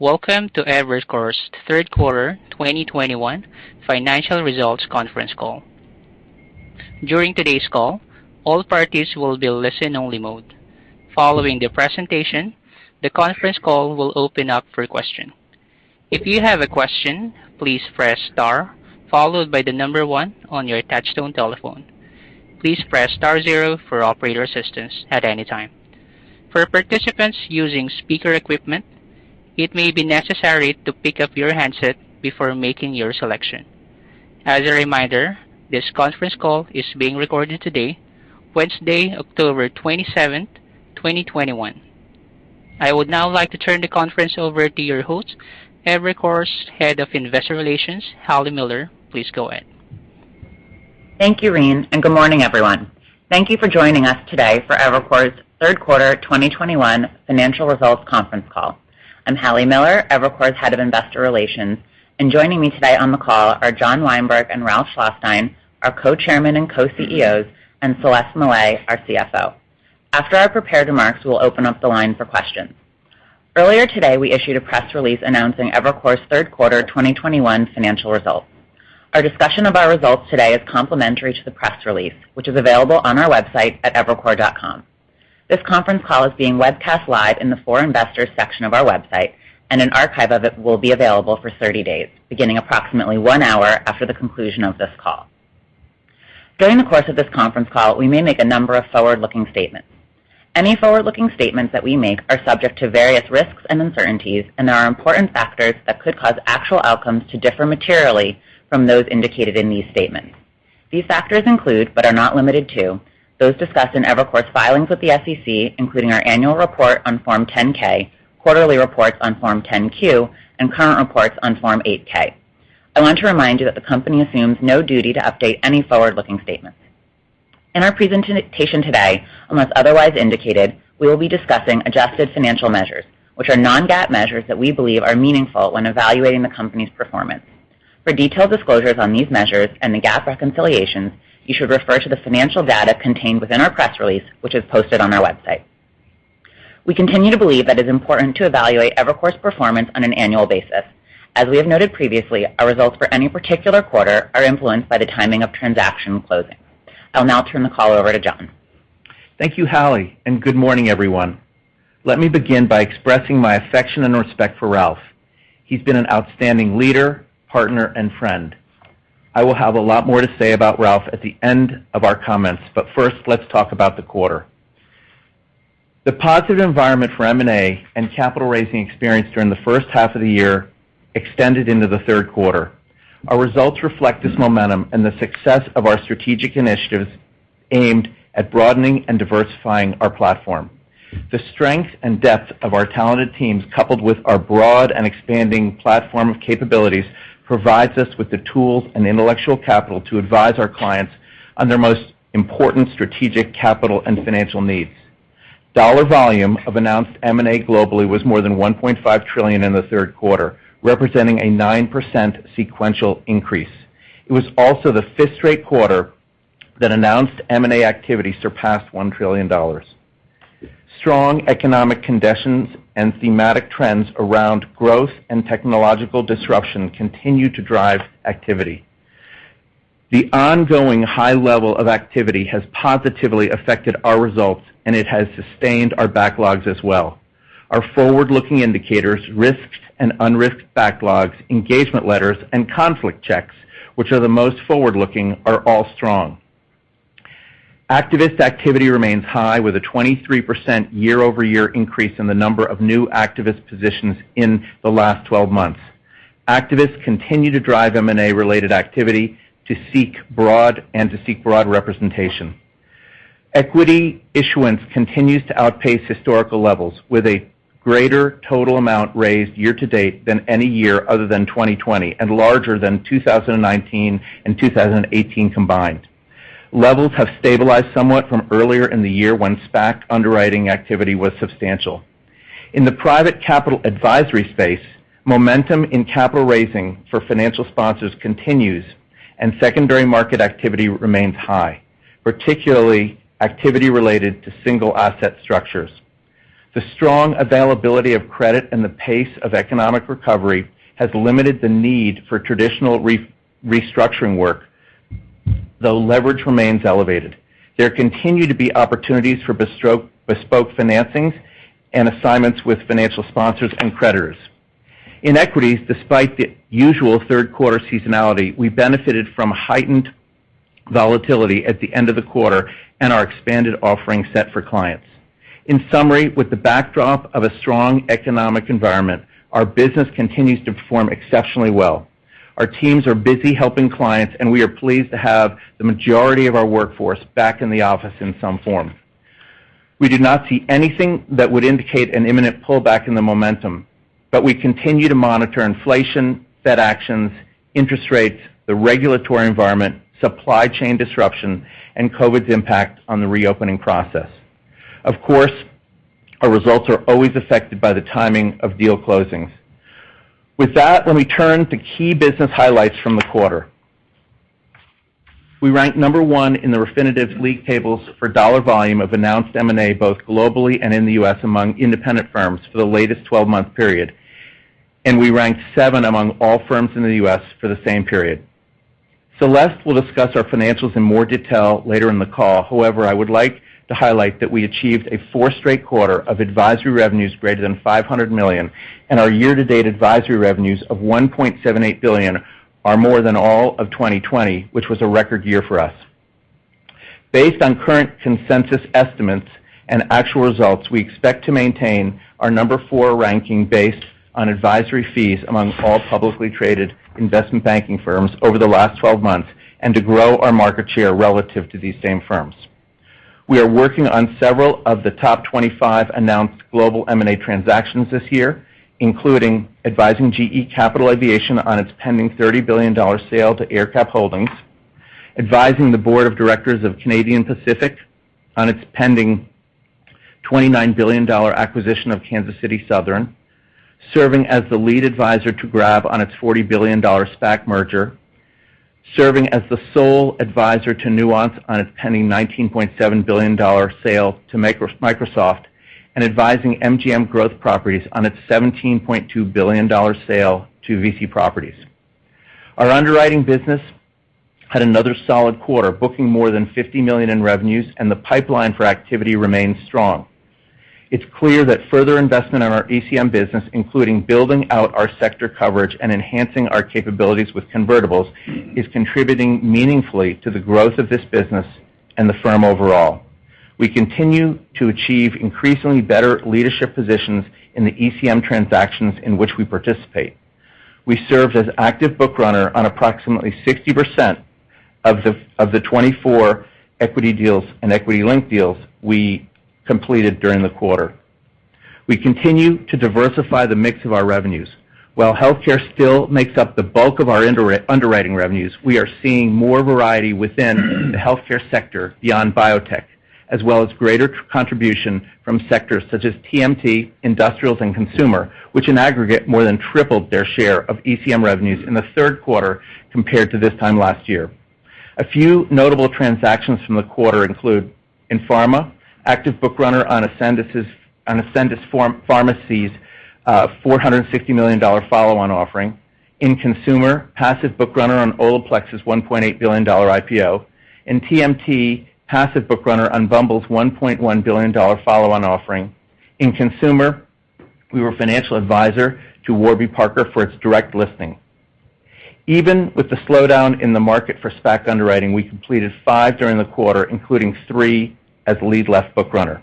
Welcome to Evercore's third quarter 2021 financial results conference call. During today's call, all parties will be in listen-only mode. Following the presentation, the conference call will open up for questions. If you have a question, please press star followed by the number one on your touchtone telephone. Please press star zero for operator assistance at any time. For participants using speaker equipment, it may be necessary to pick up your handset before making your selection. As a reminder, this conference call is being recorded today, Wednesday, October 27, 2021. I would now like to turn the conference over to your host, Evercore's Head of Investor Relations, Hallie Miller. Please go ahead. Thank you, Reen, and good morning, everyone. Thank you for joining us today for Evercore's third quarter 2021 financial results conference call. I'm Hallie Miller, Evercore's Head of Investor Relations, and joining me today on the call are John Weinberg and Ralph Schlosstein, our Co-Chairman and Co-CEOs, and Celeste Mellet, our CFO. After our prepared remarks, we'll open up the line for questions. Earlier today, we issued a press release announcing Evercore's third quarter 2021 financial results. Our discussion of our results today is complementary to the press release, which is available on our website at evercore.com. This conference call is being webcast live in the For Investors section of our website, and an archive of it will be available for 30 days, beginning approximately one hour after the conclusion of this call. During the course of this conference call, we may make a number of forward-looking statements. Any forward-looking statements that we make are subject to various risks and uncertainties, and there are important factors that could cause actual outcomes to differ materially from those indicated in these statements. These factors include, but are not limited to, those discussed in Evercore's filings with the SEC, including our annual report on Form 10-K, quarterly reports on Form 10-Q, and current reports on Form 8-K. I want to remind you that the company assumes no duty to update any forward-looking statements. In our presentation today, unless otherwise indicated, we will be discussing adjusted financial measures, which are non-GAAP measures that we believe are meaningful when evaluating the company's performance. For detailed disclosures on these measures and the GAAP reconciliations, you should refer to the financial data contained within our press release, which is posted on our website. We continue to believe that it's important to evaluate Evercore's performance on an annual basis. As we have noted previously, our results for any particular quarter are influenced by the timing of transaction closing. I'll now turn the call over to John. Thank you, Hallie, and good morning, everyone. Let me begin by expressing my affection and respect for Ralph. He's been an outstanding leader, partner, and friend. I will have a lot more to say about Ralph at the end of our comments, but first, let's talk about the quarter. The positive environment for M&A and capital raising experienced during the first half of the year extended into the third quarter. Our results reflect this momentum and the success of our strategic initiatives aimed at broadening and diversifying our platform. The strength and depth of our talented teams, coupled with our broad and expanding platform of capabilities, provides us with the tools and intellectual capital to advise our clients on their most important strategic capital and financial needs. Dollar volume of announced M&A globally was more than $1.5 trillion in the third quarter, representing a 9% sequential increase. It was also the fifth straight quarter that announced M&A activity surpassed $1 trillion. Strong economic conditions and thematic trends around growth and technological disruption continue to drive activity. The ongoing high level of activity has positively affected our results, and it has sustained our backlogs as well. Our forward-looking indicators, risked and unrisked backlogs, engagement letters, and conflict checks, which are the most forward-looking, are all strong. Activist activity remains high with a 23% year-over-year increase in the number of new activist positions in the last twelve months. Activists continue to drive M&A-related activity to seek broad representation. Equity issuance continues to outpace historical levels with a greater total amount raised year-to-date than any year other than 2020 and larger than 2019 and 2018 combined. Levels have stabilized somewhat from earlier in the year when SPAC underwriting activity was substantial. In the private capital advisory space, momentum in capital raising for financial sponsors continues, and secondary market activity remains high, particularly activity related to single asset structures. The strong availability of credit and the pace of economic recovery has limited the need for traditional restructuring work, though leverage remains elevated. There continue to be opportunities for bespoke financings and assignments with financial sponsors and creditors. In equities, despite the usual third quarter seasonality, we benefited from heightened volatility at the end of the quarter and our expanded offering set for clients. In summary, with the backdrop of a strong economic environment, our business continues to perform exceptionally well. Our teams are busy helping clients, and we are pleased to have the majority of our workforce back in the office in some form. We do not see anything that would indicate an imminent pullback in the momentum, but we continue to monitor inflation, Fed actions, interest rates, the regulatory environment, supply chain disruption, and COVID's impact on the reopening process. Of course, our results are always affected by the timing of deal closings. With that, let me turn to key business highlights from the quarter. We ranked number one in the Refinitiv league tables for dollar volume of announced M&A both globally and in the U.S. among independent firms for the latest twelve-month period, and we ranked seven among all firms in the U.S. for the same period. Celeste will discuss our financials in more detail later in the call. However, I would like to highlight that we achieved a fourth straight quarter of advisory revenues greater than $500 million, and our year-to-date advisory revenues of $1.78 billion are more than all of 2020, which was a record year for us. Based on current consensus estimates and actual results, we expect to maintain our number four ranking based on advisory fees among all publicly traded investment banking firms over the last 12 months and to grow our market share relative to these same firms. We are working on several of the top 25 announced global M&A transactions this year, including advising GE Capital Aviation on its pending $30 billion sale to AerCap Holdings, advising the board of directors of Canadian Pacific on its pending $29 billion acquisition of Kansas City Southern, serving as the lead advisor to Grab on its $40 billion SPAC merger, serving as the sole advisor to Nuance on its pending $19.7 billion sale to Microsoft, and advising MGM Growth Properties on its $17.2 billion sale to VICI Properties. Our underwriting business had another solid quarter, booking more than $50 million in revenues, and the pipeline for activity remains strong. It's clear that further investment in our ECM business, including building out our sector coverage and enhancing our capabilities with convertibles, is contributing meaningfully to the growth of this business and the firm overall. We continue to achieve increasingly better leadership positions in the ECM transactions in which we participate. We served as active book runner on approximately 60% of the 24 equity deals and equity-linked deals we completed during the quarter. We continue to diversify the mix of our revenues. While healthcare still makes up the bulk of our underwriting revenues, we are seeing more variety within the healthcare sector beyond biotech, as well as greater contribution from sectors such as TMT, industrials, and consumer, which in aggregate more than tripled their share of ECM revenues in the third quarter compared to this time last year. A few notable transactions from the quarter include in pharma, active book runner on Ascendis Pharma's $460 million follow-on offering. In consumer, passive book runner on Olaplex's $1.8 billion IPO. In TMT, passive book runner on Bumble's $1.1 billion follow-on offering. In consumer, we were financial advisor to Warby Parker for its direct listing. Even with the slowdown in the market for SPAC underwriting, we completed five during the quarter, including three as lead left book runner.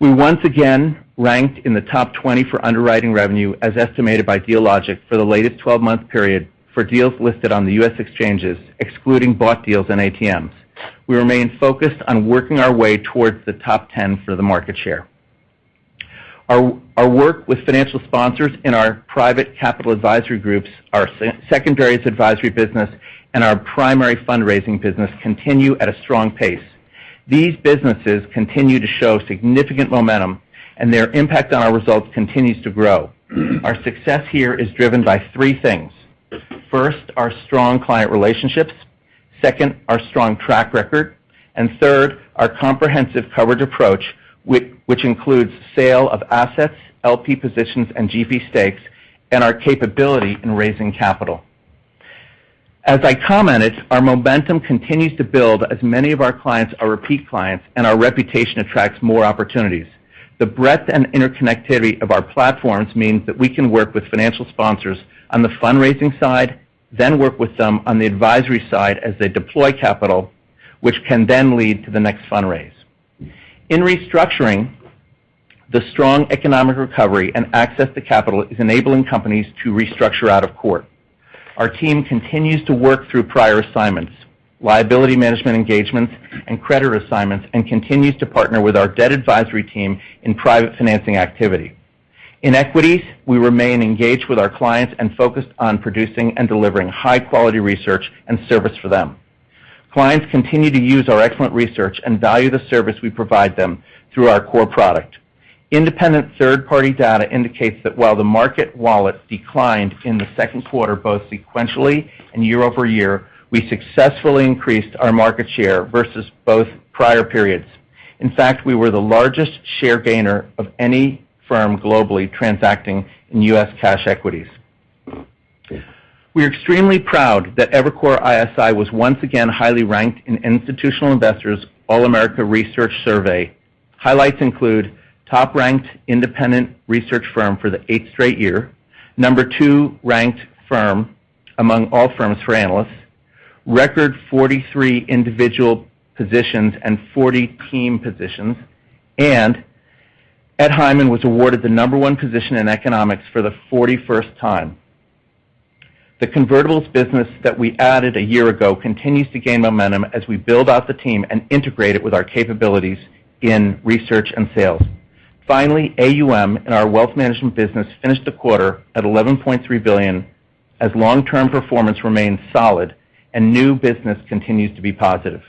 We once again ranked in the top 20 for underwriting revenue, as estimated by Dealogic for the latest 12-month period for deals listed on the U.S. exchanges, excluding bought deals and ATMs. We remain focused on working our way towards the top 10 for the market share. Our work with financial sponsors in our private capital advisory groups, our secondaries advisory business, and our primary fundraising business continue at a strong pace. These businesses continue to show significant momentum, and their impact on our results continues to grow. Our success here is driven by three things. First, our strong client relationships. Second, our strong track record. And third, our comprehensive coverage approach which includes sale of assets, LP positions, and GP stakes, and our capability in raising capital. As I commented, our momentum continues to build as many of our clients are repeat clients, and our reputation attracts more opportunities. The breadth and interconnectivity of our platforms means that we can work with financial sponsors on the fundraising side, then work with them on the advisory side as they deploy capital, which can then lead to the next fundraise. In restructuring, the strong economic recovery and access to capital is enabling companies to restructure out of court. Our team continues to work through prior assignments, liability management engagements, and creditor assignments, and continues to partner with our debt advisory team in private financing activity. In equities, we remain engaged with our clients and focused on producing and delivering high-quality research and service for them. Clients continue to use our excellent research and value the service we provide them through our core product. Independent third-party data indicates that while the market wallet declined in the second quarter, both sequentially and year-over-year, we successfully increased our market share versus both prior periods. In fact, we were the largest share gainer of any firm globally transacting in U.S. cash equities. We're extremely proud that Evercore ISI was once again highly ranked in Institutional Investor's All-America Research Survey. Highlights include top-ranked independent research firm for the eighth straight year, number two-ranked firm among all firms for analysts, record 43 individual positions and 40 team positions, and Ed Hyman was awarded the one position in economics for the 41st time. The convertibles business that we added a year ago continues to gain momentum as we build out the team and integrate it with our capabilities in research and sales. Finally, AUM in our wealth management business finished the quarter at $11.3 billion, as long-term performance remains solid and new business continues to be positive.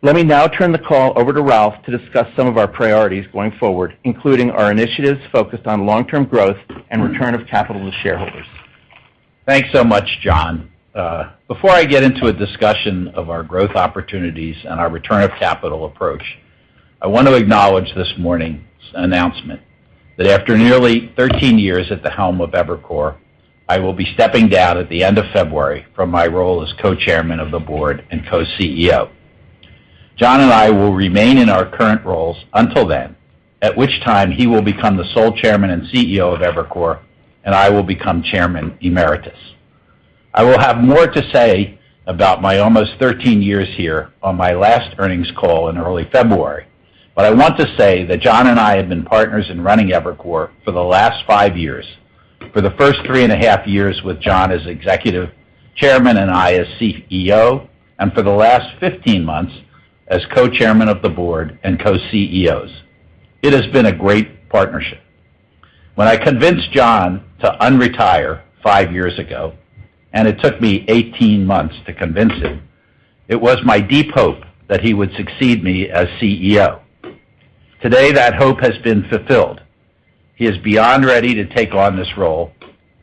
Let me now turn the call over to Ralph to discuss some of our priorities going forward, including our initiatives focused on long-term growth and return of capital to shareholders. Thanks so much, John. Before I get into a discussion of our growth opportunities and our return of capital approach, I want to acknowledge this morning's announcement that after nearly 13 years at the helm of Evercore, I will be stepping down at the end of February from my role as Co-Chairman of the board and Co-CEO. John and I will remain in our current roles until then, at which time he will become the sole Chairman and CEO of Evercore, and I will become Chairman Emeritus. I will have more to say about my almost 13 years here on my last earnings call in early February. I want to say that John and I have been partners in running Evercore for the last five years, for the first three and a half years with John as executive chairman and I as CEO, and for the last 15 months as co-chairman of the board and co-CEOs. It has been a great partnership. When I convinced John to unretire five years ago, and it took me 18 months to convince him, it was my deep hope that he would succeed me as CEO. Today, that hope has been fulfilled. He is beyond ready to take on this role.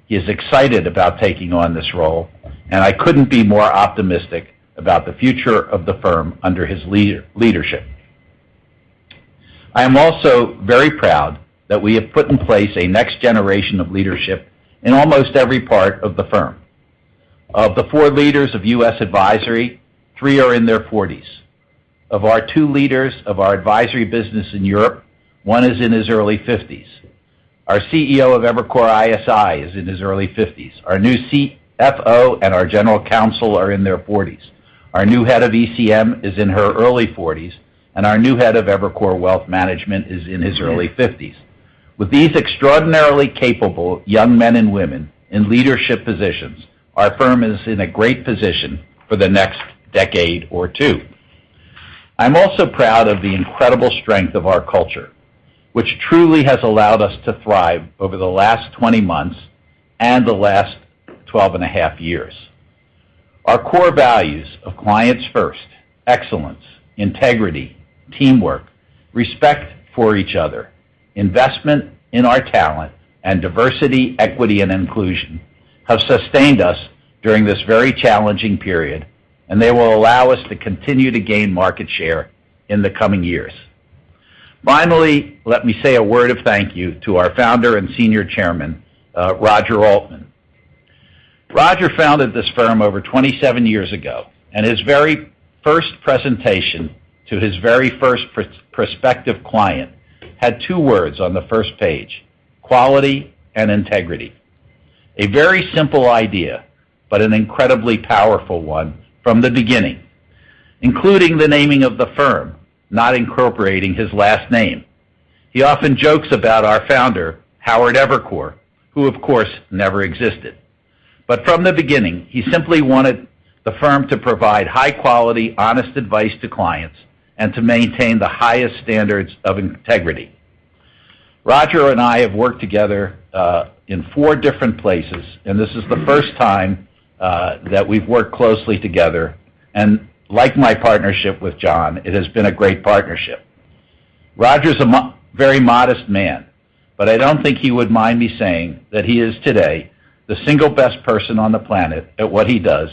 He is excited about taking on this role, and I couldn't be more optimistic about the future of the firm under his leadership. I am also very proud that we have put in place a next generation of leadership in almost every part of the firm. Of the four leaders of U.S. Advisory, three are in their forties. Of our two leaders of our advisory business in Europe, one is in his early fifties. Our CEO of Evercore ISI is in his early fifties. Our new CFO and our general counsel are in their forties. Our new head of ECM is in her early forties, and our new head of Evercore Wealth Management is in his early fifties. With these extraordinarily capable young men and women in leadership positions, our firm is in a great position for the next decade or two. I'm also proud of the incredible strength of our culture, which truly has allowed us to thrive over the last 20 months and the last 12.5 years. Our core values of clients first, excellence, integrity, teamwork, respect for each other, investment in our talent, and diversity, equity, and inclusion have sustained us during this very challenging period, and they will allow us to continue to gain market share in the coming years. Finally, let me say a word of thank you to our Founder and Senior Chairman, Roger Altman. Roger founded this firm over 27 years ago, and his very first presentation to his very first prospective client had two words on the first page, quality and integrity. A very simple idea, but an incredibly powerful one from the beginning, including the naming of the firm, not incorporating his last name. He often jokes about our founder, Howard Evercore, who of course never existed. From the beginning, he simply wanted the firm to provide high-quality, honest advice to clients and to maintain the highest standards of integrity. Roger and I have worked together in four different places, and this is the first time that we've worked closely together. Like my partnership with John, it has been a great partnership. Roger is a very modest man, but I don't think he would mind me saying that he is today the single best person on the planet at what he does,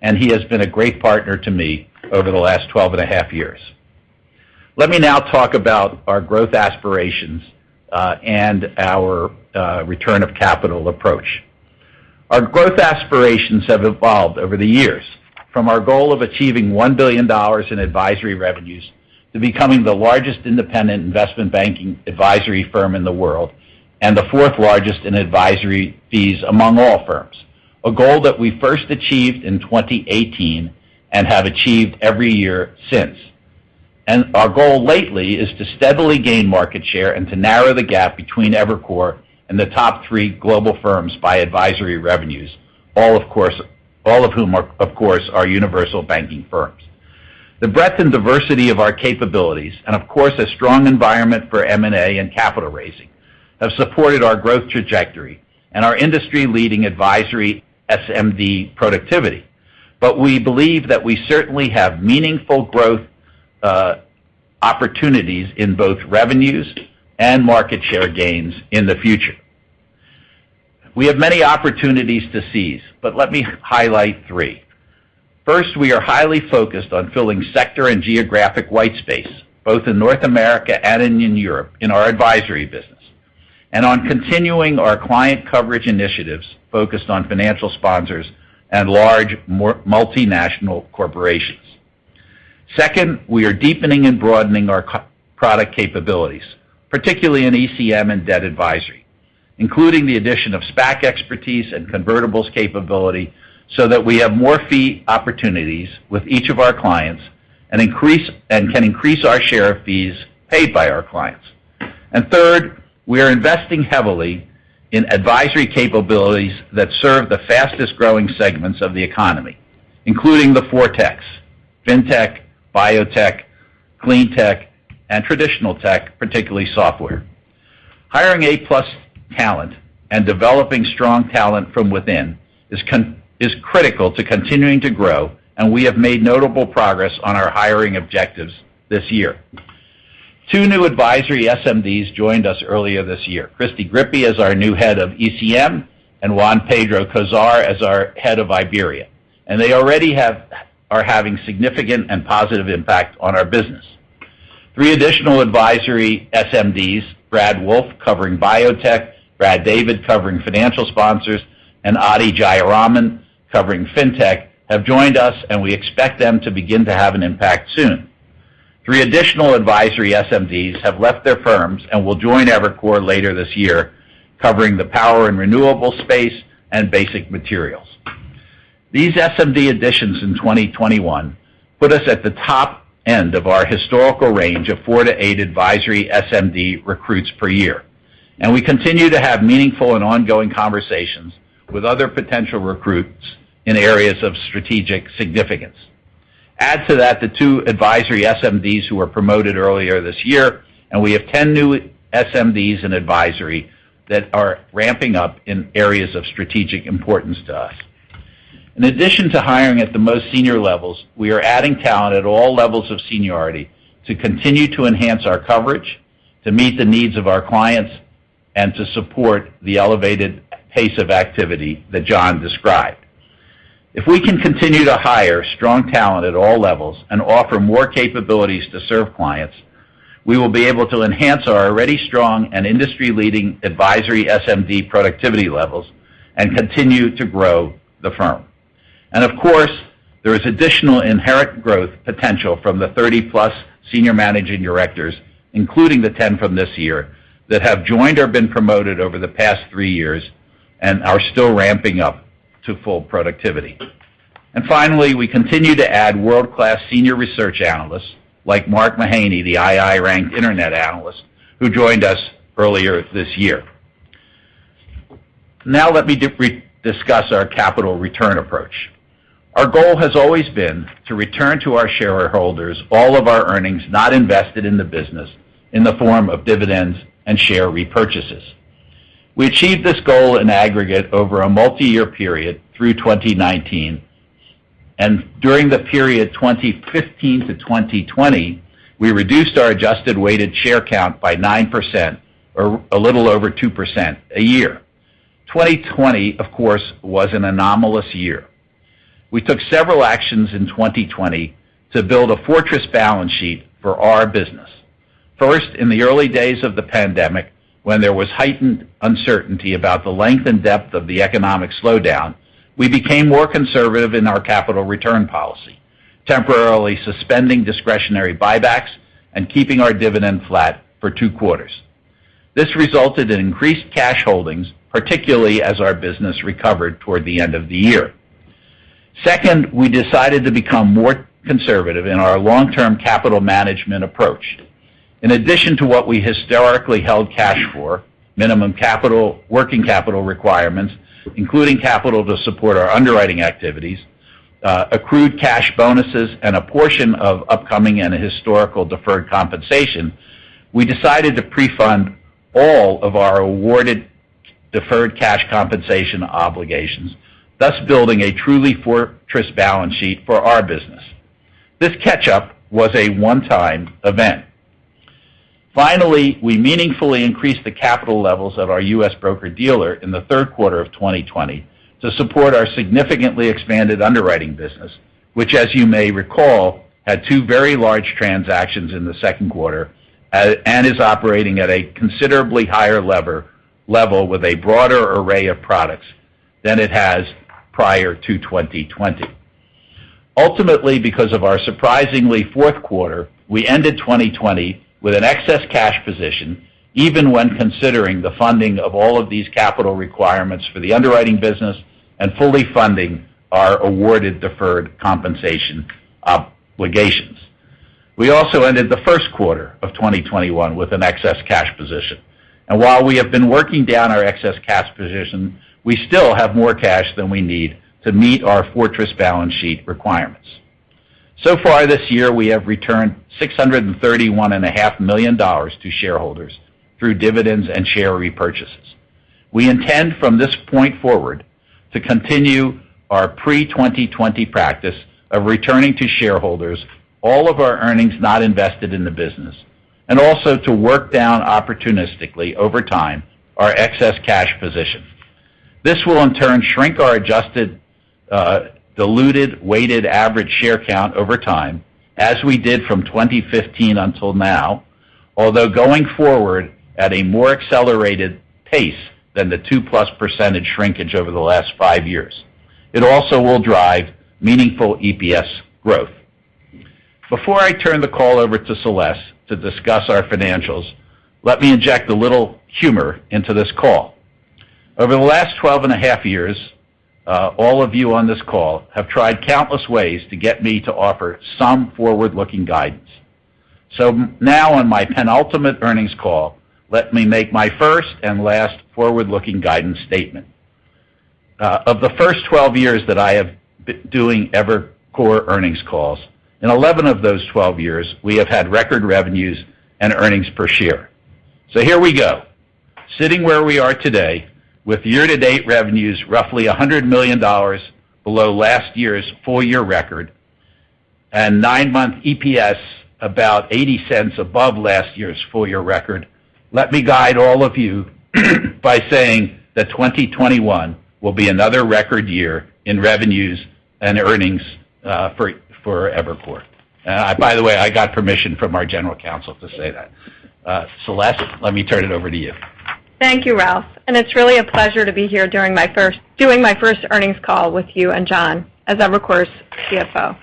and he has been a great partner to me over the last 12 and a half years. Let me now talk about our growth aspirations and our return of capital approach. Our growth aspirations have evolved over the years from our goal of achieving $1 billion in advisory revenues to becoming the largest independent investment banking advisory firm in the world and the fourth largest in advisory fees among all firms, a goal that we first achieved in 2018 and have achieved every year since. Our goal lately is to steadily gain market share and to narrow the gap between Evercore and the top three global firms by advisory revenues, all of whom are, of course, universal banking firms. The breadth and diversity of our capabilities and, of course, a strong environment for M&A and capital raising have supported our growth trajectory and our industry-leading advisory SMD productivity. We believe that we certainly have meaningful growth opportunities in both revenues and market share gains in the future. We have many opportunities to seize, but let me highlight three. First, we are highly focused on filling sector and geographic white space, both in North America and in Europe, in our advisory business, and on continuing our client coverage initiatives focused on financial sponsors and large multinational corporations. Second, we are deepening and broadening our product capabilities, particularly in ECM and debt advisory, including the addition of SPAC expertise and convertibles capability so that we have more fee opportunities with each of our clients and can increase our share of fees paid by our clients. Third, we are investing heavily in advisory capabilities that serve the fastest-growing segments of the economy, including the four techs, fintech, biotech, clean tech, and traditional tech, particularly software. Hiring A-plus talent and developing strong talent from within is critical to continuing to grow, and we have made notable progress on our hiring objectives this year. Two new advisory SMDs joined us earlier this year. Kristy Grippi as our new head of ECM and Juan Pedro Pérez Cózar as our head of Iberia. They already are having significant and positive impact on our business. Three additional advisory SMDs, Brad Wolff covering biotech, Brad David covering financial sponsors, and Adi Jayaraman covering fintech, have joined us, and we expect them to begin to have an impact soon. Three additional advisory SMDs have left their firms and will join Evercore later this year covering the power and renewable space and basic materials. These SMD additions in 2021 put us at the top end of our historical range of 4-8 advisory SMD recruits per year, and we continue to have meaningful and ongoing conversations with other potential recruits in areas of strategic significance. Add to that the 2 advisory SMDs who were promoted earlier this year, and we have 10 new SMDs in advisory that are ramping up in areas of strategic importance to us. In addition to hiring at the most senior levels, we are adding talent at all levels of seniority to continue to enhance our coverage, to meet the needs of our clients, and to support the elevated pace of activity that John described. If we can continue to hire strong talent at all levels and offer more capabilities to serve clients, we will be able to enhance our already strong and industry-leading advisory SMD productivity levels and continue to grow the firm. Of course, there is additional inherent growth potential from the 30+ Senior Managing Directors, including the 10 from this year, that have joined or been promoted over the past three years and are still ramping up to full productivity. Finally, we continue to add world-class Senior Research Analyst, like Mark Mahaney, the II-ranked internet analyst, who joined us earlier this year. Now let me re-discuss our capital return approach. Our goal has always been to return to our shareholders all of our earnings not invested in the business in the form of dividends and share repurchases. We achieved this goal in aggregate over a multiyear period through 2019. During the period 2015 to 2020, we reduced our adjusted weighted share count by 9% or a little over 2% a year. 2020, of course, was an anomalous year. We took several actions in 2020 to build a fortress balance sheet for our business. First, in the early days of the pandemic, when there was heightened uncertainty about the length and depth of the economic slowdown, we became more conservative in our capital return policy, temporarily suspending discretionary buybacks and keeping our dividend flat for two quarters. This resulted in increased cash holdings, particularly as our business recovered toward the end of the year. Second, we decided to become more conservative in our long-term capital management approach. In addition to what we historically held cash for, minimum capital, working capital requirements, including capital to support our underwriting activities, accrued cash bonuses, and a portion of upcoming and historical deferred compensation, we decided to prefund all of our awarded deferred cash compensation obligations, thus building a truly fortress balance sheet for our business. This catch-up was a one-time event. Finally, we meaningfully increased the capital levels of our U.S. broker-dealer in the third quarter of 2020 to support our significantly expanded underwriting business, which as you may recall, had two very large transactions in the second quarter and is operating at a considerably higher level with a broader array of products than it has prior to 2020. Ultimately, because of our surprisingly fourth quarter, we ended 2020 with an excess cash position, even when considering the funding of all of these capital requirements for the underwriting business and fully funding our awarded deferred compensation obligations. We also ended the first quarter of 2021 with an excess cash position. While we have been working down our excess cash position, we still have more cash than we need to meet our fortress balance sheet requirements. So far this year, we have returned $631.5 million to shareholders through dividends and share repurchases. We intend from this point forward to continue our pre-2020 practice of returning to shareholders all of our earnings not invested in the business and also to work down opportunistically over time our excess cash position. This will in turn shrink our adjusted, diluted weighted average share count over time as we did from 2015 until now. Although going forward at a more accelerated pace than the 2%+ shrinkage over the last five years. It also will drive meaningful EPS growth. Before I turn the call over to Celeste to discuss our financials, let me inject a little humor into this call. Over the last 12.5 years, all of you on this call have tried countless ways to get me to offer some forward-looking guidance. Now on my penultimate earnings call, let me make my first and last forward-looking guidance statement. Of the first 12 years that I have been doing Evercore earnings calls, in 11 of those 12 years, we have had record revenues and earnings per share. Here we go. Sitting where we are today with year-to-date revenues roughly $100 million below last year's full-year record and nine-month EPS about $0.80 above last year's full-year record, let me guide all of you by saying that 2021 will be another record year in revenues and earnings for Evercore. By the way, I got permission from our general counsel to say that. Celeste, let me turn it over to you. Thank you, Ralph. It's really a pleasure to be here doing my first earnings call with you and John as Evercore's CFO.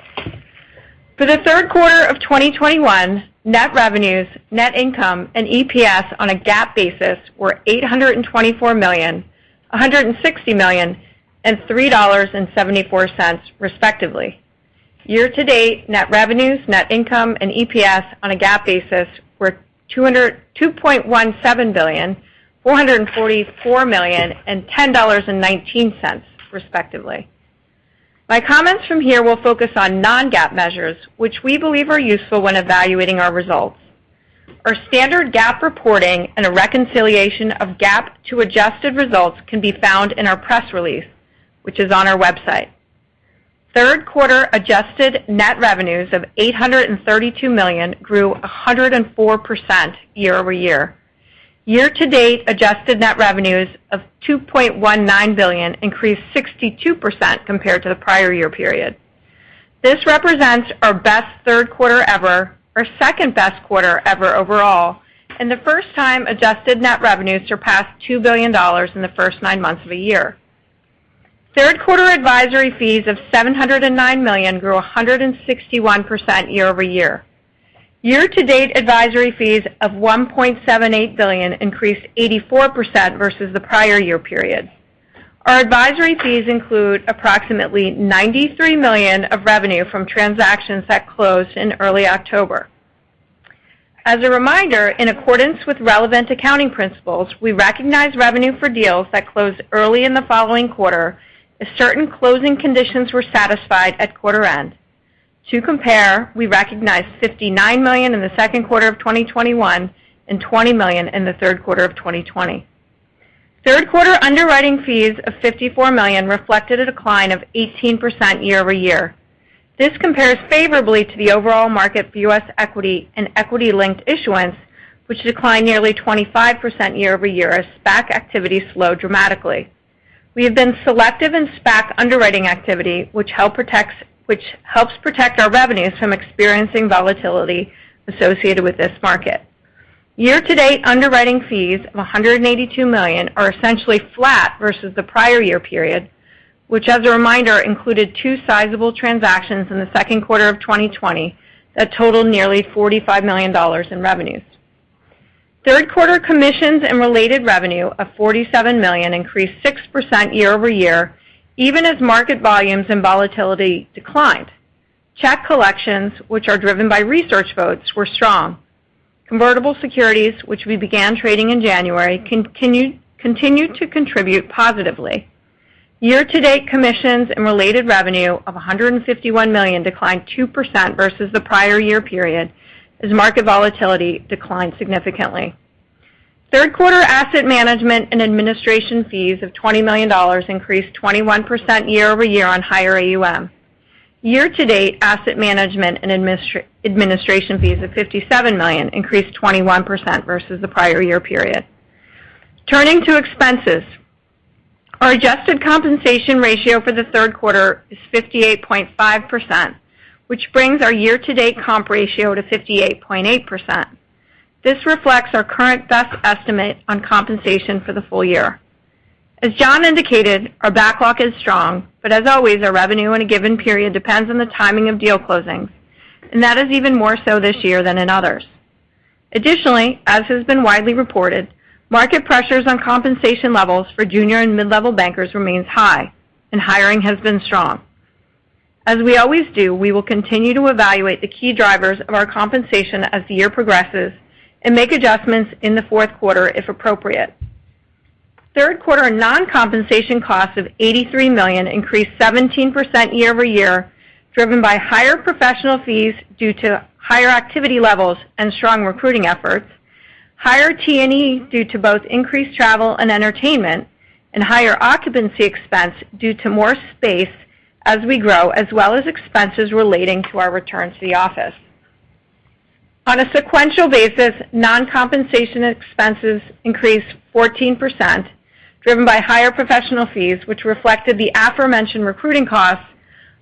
For the third quarter of 2021, net revenues, net income, and EPS on a GAAP basis were $824 million, $160 million, and $3.74 respectively. Year-to-date, net revenues, net income, and EPS on a GAAP basis were $2.17 billion, $444 million, and $10.19 respectively. My comments from here will focus on non-GAAP measures, which we believe are useful when evaluating our results. Our standard GAAP reporting and a reconciliation of GAAP to adjusted results can be found in our press release, which is on our website. Third quarter adjusted net revenues of $832 million grew 104% year-over-year. Year-to-date adjusted net revenues of $2.19 billion increased 62% compared to the prior year period. This represents our best third quarter ever, our second-best quarter ever overall, and the first time adjusted net revenues surpassed $2 billion in the first nine months of a year. Third quarter advisory fees of $709 million grew 161% year-over-year. Year-to-date advisory fees of $1.78 billion increased 84% versus the prior year period. Our advisory fees include approximately $93 million of revenue from transactions that closed in early October. As a reminder, in accordance with relevant accounting principles, we recognize revenue for deals that closed early in the following quarter if certain closing conditions were satisfied at quarter end. To compare, we recognized $59 million in the second quarter of 2021 and $20 million in the third quarter of 2020. Third quarter underwriting fees of $54 million reflected a decline of 18% year-over-year. This compares favorably to the overall market for U.S. equity and equity-linked issuance, which declined nearly 25% year-over-year as SPAC activity slowed dramatically. We have been selective in SPAC underwriting activity, which helps protect our revenues from experiencing volatility associated with this market. Year-to-date underwriting fees of $182 million are essentially flat versus the prior year period, which as a reminder included two sizable transactions in the second quarter of 2020 that totaled nearly $45 million in revenues. Third quarter commissions and related revenue of $47 million increased 6% year-over-year even as market volumes and volatility declined. Check collections, which are driven by research votes, were strong. Convertible securities, which we began trading in January, continued to contribute positively. Year-to-date commissions and related revenue of $151 million declined 2% versus the prior year period as market volatility declined significantly. Third quarter asset management and administration fees of $20 million increased 21% year-over-year on higher AUM. Year-to-date asset management and administration fees of $57 million increased 21% versus the prior year period. Turning to expenses. Our adjusted compensation ratio for the third quarter is 58.5%, which brings our year-to-date comp ratio to 58.8%. This reflects our current best estimate on compensation for the full year. As John indicated, our backlog is strong, but as always, our revenue in a given period depends on the timing of deal closings, and that is even more so this year than in others. Additionally, as has been widely reported, market pressures on compensation levels for junior and mid-level bankers remains high, and hiring has been strong. As we always do, we will continue to evaluate the key drivers of our compensation as the year progresses and make adjustments in the fourth quarter if appropriate. Third quarter non-compensation costs of $83 million increased 17% year-over-year, driven by higher professional fees due to higher activity levels and strong recruiting efforts, higher T&E due to both increased travel and entertainment, and higher occupancy expense due to more space as we grow, as well as expenses relating to our return to the office. On a sequential basis, non-compensation expenses increased 14%, driven by higher professional fees, which reflected the aforementioned recruiting costs,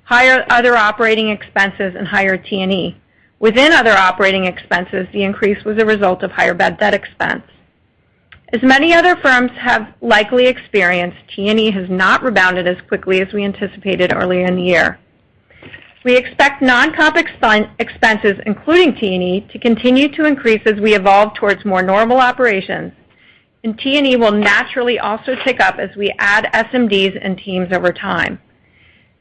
higher other operating expenses, and higher T&E. Within other operating expenses, the increase was a result of higher bad debt expense. As many other firms have likely experienced, T&E has not rebounded as quickly as we anticipated earlier in the year. We expect non-comp expenses, including T&E, to continue to increase as we evolve towards more normal operations, and T&E will naturally also tick up as we add SMDs and teams over time.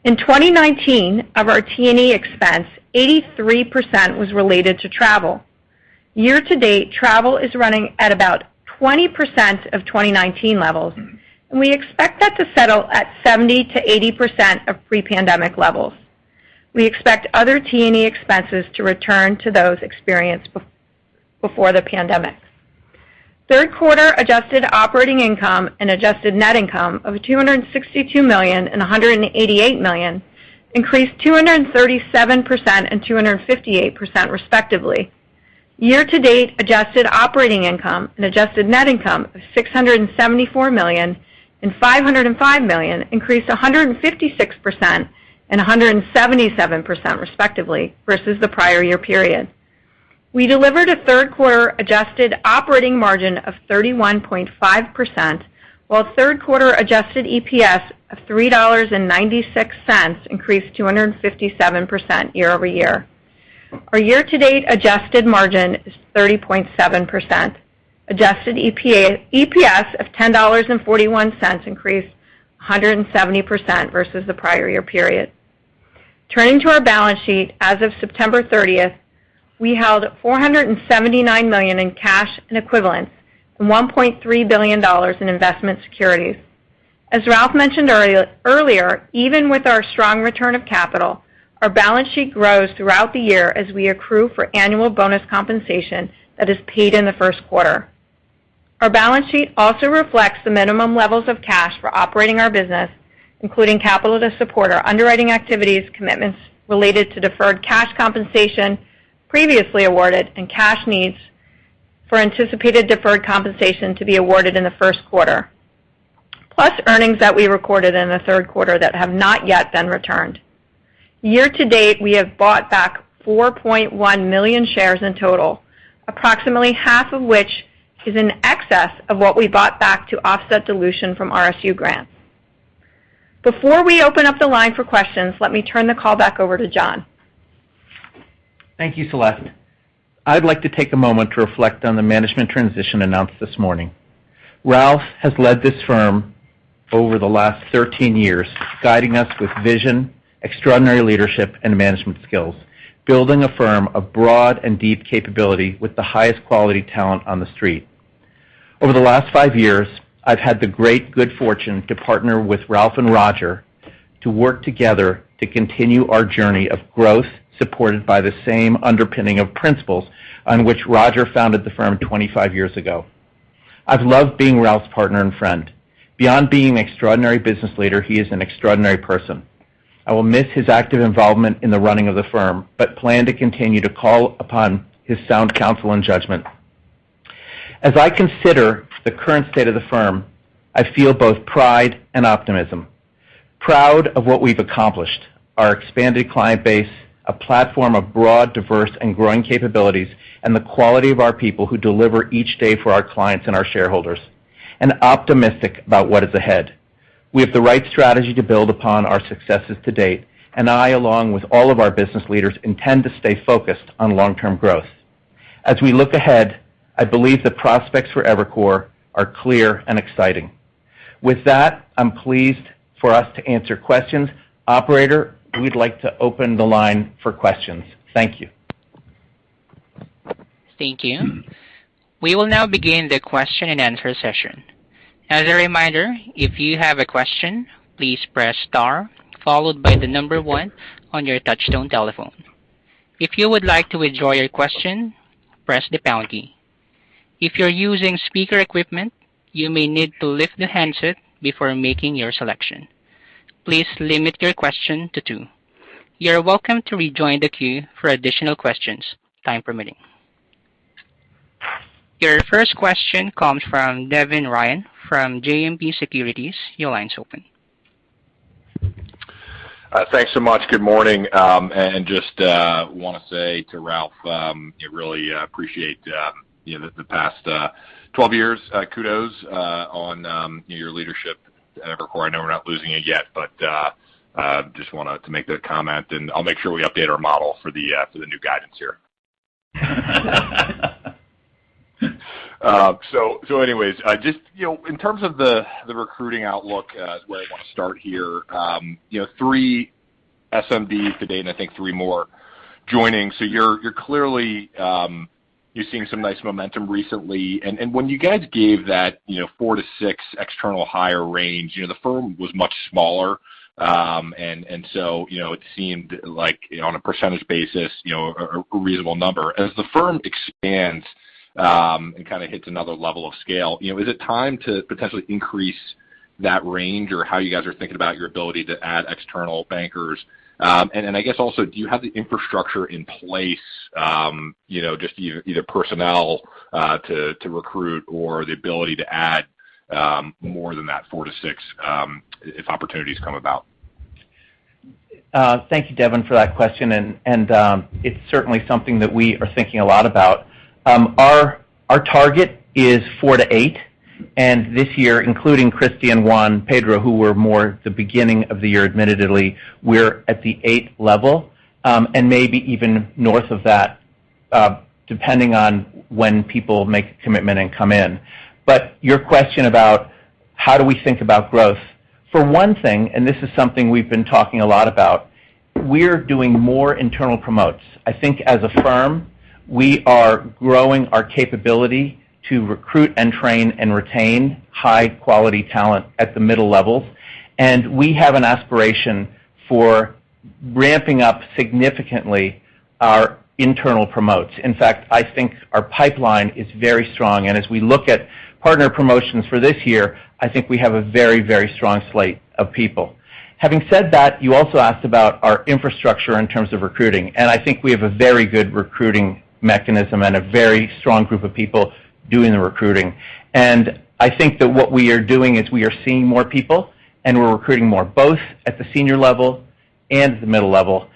In 2019 of our T&E expense, 83% was related to travel. Year-to-date travel is running at about 20% of 2019 levels, and we expect that to settle at 70%-80% of pre-pandemic levels. We expect other T&E expenses to return to those experienced before the pandemic. Third quarter adjusted operating income and adjusted net income of $262 million and $188 million increased 237% and 258% respectively. Year-to-date adjusted operating income and adjusted net income of $674 million and $505 million increased 156% and 177% respectively versus the prior year period. We delivered a third quarter adjusted operating margin of 31.5%, while third quarter adjusted EPS of $3.96 increased 257% year-over-year. Our year-to-date adjusted margin is 30.7%. Adjusted EPS of $10.41 increased 170% versus the prior year period. Turning to our balance sheet. As of September 30, we held $479 million in cash and equivalents, and $1.3 billion in investment securities. As Ralph mentioned earlier, even with our strong return of capital, our balance sheet grows throughout the year as we accrue for annual bonus compensation that is paid in the first quarter. Our balance sheet also reflects the minimum levels of cash for operating our business, including capital to support our underwriting activities, commitments related to deferred cash compensation previously awarded, and cash needs for anticipated deferred compensation to be awarded in the first quarter, plus earnings that we recorded in the third quarter that have not yet been returned. Year-to-date, we have bought back 4.1 million shares in total, approximately half of which is in excess of what we bought back to offset dilution from RSU grants. Before we open up the line for questions, let me turn the call back over to John. Thank you, Celeste. I'd like to take a moment to reflect on the management transition announced this morning. Ralph has led this firm over the last 13 years, guiding us with vision, extraordinary leadership, and management skills, building a firm of broad and deep capability with the highest quality talent on the street. Over the last five years, I've had the great good fortune to partner with Ralph and Roger to work together to continue our journey of growth, supported by the same underpinning of principles on which Roger founded the firm 25 years ago. I've loved being Ralph's partner and friend. Beyond being an extraordinary business leader, he is an extraordinary person. I will miss his active involvement in the running of the firm, but plan to continue to call upon his sound counsel and judgment. As I consider the current state of the firm, I feel both pride and optimism, proud of what we've accomplished, our expanded client base, a platform of broad, diverse, and growing capabilities, and the quality of our people who deliver each day for our clients and our shareholders, and optimistic about what is ahead. We have the right strategy to build upon our successes to date, and I, along with all of our business leaders, intend to stay focused on long-term growth. As we look ahead, I believe the prospects for Evercore are clear and exciting. With that, I'm pleased for us to answer questions. Operator, we'd like to open the line for questions. Thank you. Thank you. We will now begin the question-and-answer session. As a reminder, if you have a question, please press star followed by the number one on your touchtone telephone. If you would like to withdraw your question, press the pound key. If you're using speaker equipment, you may need to lift the handset before making your selection. Please limit your question to two. You're welcome to rejoin the queue for additional questions, time permitting. Your first question comes from Devin Ryan from JMP Securities. Your line's open. Thanks so much. Good morning. And just wanna say to Ralph, I really appreciate you know, the past 12 years. Kudos on your leadership at Evercore. I know we're not losing it yet, but just wanted to make that comment, and I'll make sure we update our model for the new guidance here. So anyways, just you know, in terms of the recruiting outlook is where I wanna start here. You know, three SMDs to date, and I think three more joining. So you're clearly seeing some nice momentum recently. And when you guys gave that you know, four to six external hire range, you know, the firm was much smaller. You know, it seemed like on a percentage basis, you know, a reasonable number. As the firm expands and kinda hits another level of scale, you know, is it time to potentially increase that range or how you guys are thinking about your ability to add external bankers? I guess also, do you have the infrastructure in place, you know, just either personnel to recruit or the ability to add more than that four to six if opportunities come about? Thank you, Devin, for that question. It's certainly something that we are thinking a lot about. Our target is four to eight. This year, including Kristy and Juan Pedro, who were more at the beginning of the year, admittedly, we're at the eighth level, and maybe even north of that, depending on when people make a commitment and come in. Your question about how do we think about growth, for one thing, and this is something we've been talking a lot about, we're doing more internal promotions. I think as a firm, we are growing our capability to recruit and train and retain high-quality talent at the middle levels. We have an aspiration for ramping up significantly our internal promotions. In fact, I think our pipeline is very strong. As we look at partner promotions for this year, I think we have a very, very strong slate of people. Having said that, you also asked about our infrastructure in terms of recruiting, and I think we have a very good recruiting mechanism and a very strong group of people doing the recruiting. I think that what we are doing is we are seeing more people, and we're recruiting more, both at the senior level and the middle level.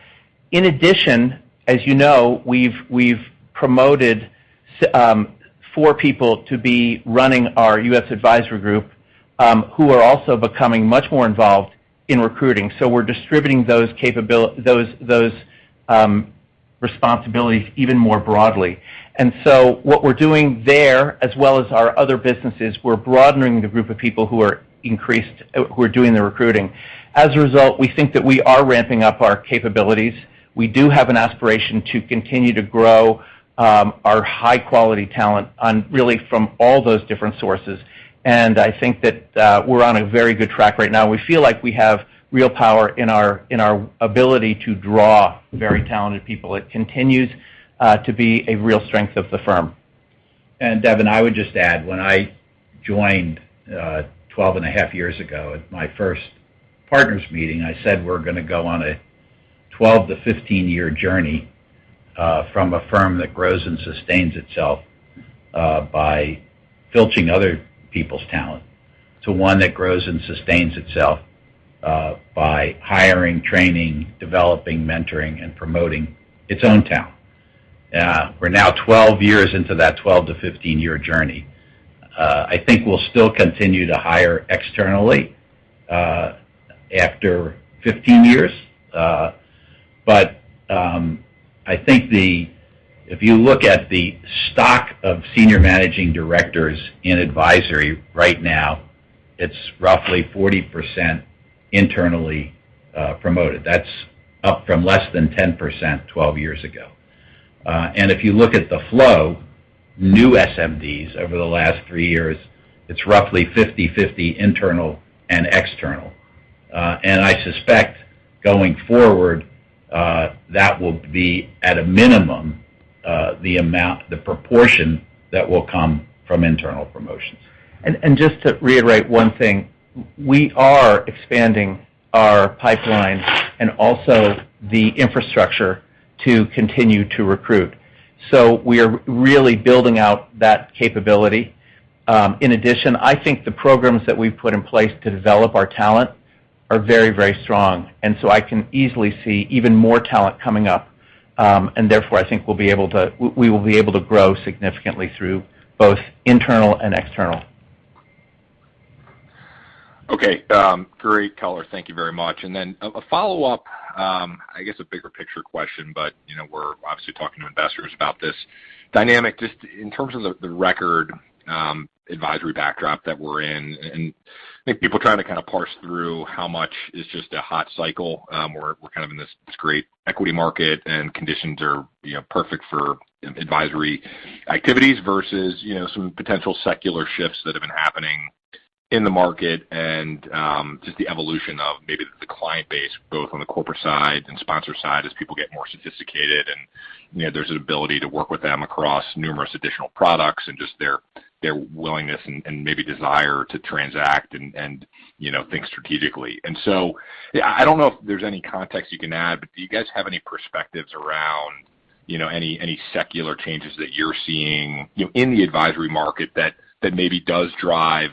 In addition, as you know, we've promoted four people to be running our U.S. advisory group, who are also becoming much more involved in recruiting. We're distributing those responsibilities even more broadly. What we're doing there, as well as our other businesses, we're broadening the group of people who are doing the recruiting. As a result, we think that we are ramping up our capabilities. We do have an aspiration to continue to grow our high-quality talent on really from all those different sources. I think that we're on a very good track right now. We feel like we have real power in our ability to draw very talented people. It continues to be a real strength of the firm. Devin, I would just add, when I joined 12.5 years ago, at my first partners meeting, I said, we're gonna go on a 12- to 15-year journey from a firm that grows and sustains itself by filching other people's talent, to one that grows and sustains itself by hiring, training, developing, mentoring, and promoting its own talent. We're now 12 years into that 12- to 15-year journey. I think we'll still continue to hire externally after 15 years. But I think if you look at the stock of senior managing directors in advisory right now, it's roughly 40% internally promoted. That's up from less than 10% 12 years ago. And if you look at the flow, new SMDs over the last three years, it's roughly 50/50 internal and external. I suspect going forward, that will be at a minimum, the amount, the proportion that will come from internal promotions. Just to reiterate one thing, we are expanding our pipeline and also the infrastructure to continue to recruit. We are really building out that capability. In addition, I think the programs that we've put in place to develop our talent are very, very strong, and so I can easily see even more talent coming up. I think we will be able to grow significantly through both internal and external. Okay, great color. Thank you very much. Then a follow-up, I guess, a bigger picture question, but, you know, we're obviously talking to investors about this dynamic just in terms of the record advisory backdrop that we're in. I think people trying to kinda parse through how much is just a hot cycle, or we're kind of in this great equity market and conditions are, you know, perfect for advisory activities versus, you know, some potential secular shifts that have been happening in the market and just the evolution of maybe the client base, both on the corporate side and sponsor side, as people get more sophisticated. You know, there's an ability to work with them across numerous additional products and just their willingness and maybe desire to transact and, you know, think strategically. I don't know if there's any context you can add, but do you guys have any perspectives around, you know, any secular changes that you're seeing, you know, in the advisory market that maybe does drive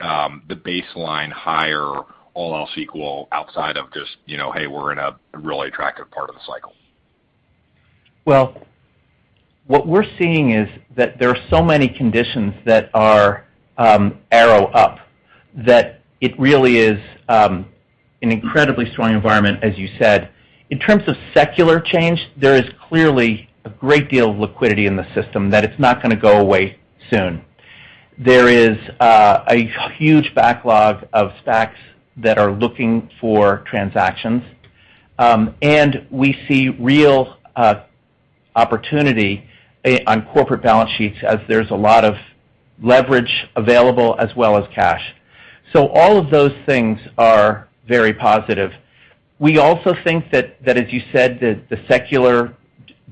the baseline higher all else equal outside of just, you know, hey, we're in a really attractive part of the cycle? Well, what we're seeing is that there are so many conditions that are up, that it really is an incredibly strong environment, as you said. In terms of secular change, there is clearly a great deal of liquidity in the system that it's not gonna go away soon. There is a huge backlog of SPACs that are looking for transactions. We see real opportunity on corporate balance sheets as there's a lot of leverage available as well as cash. All of those things are very positive. We also think that as you said, the secular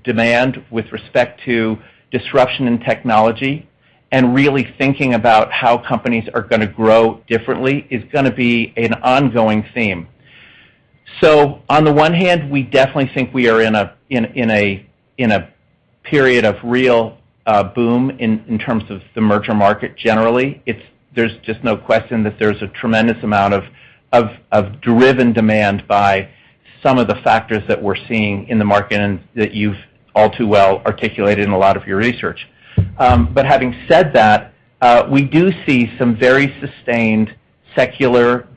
demand with respect to disruption in technology and really thinking about how companies are gonna grow differently is gonna be an ongoing theme. On the one hand, we definitely think we are in a period of real boom in terms of the merger market generally. There's just no question that there's a tremendous amount of driven demand by some of the factors that we're seeing in the market and that you've all too well articulated in a lot of your research. Having said that, we do see some very sustained secular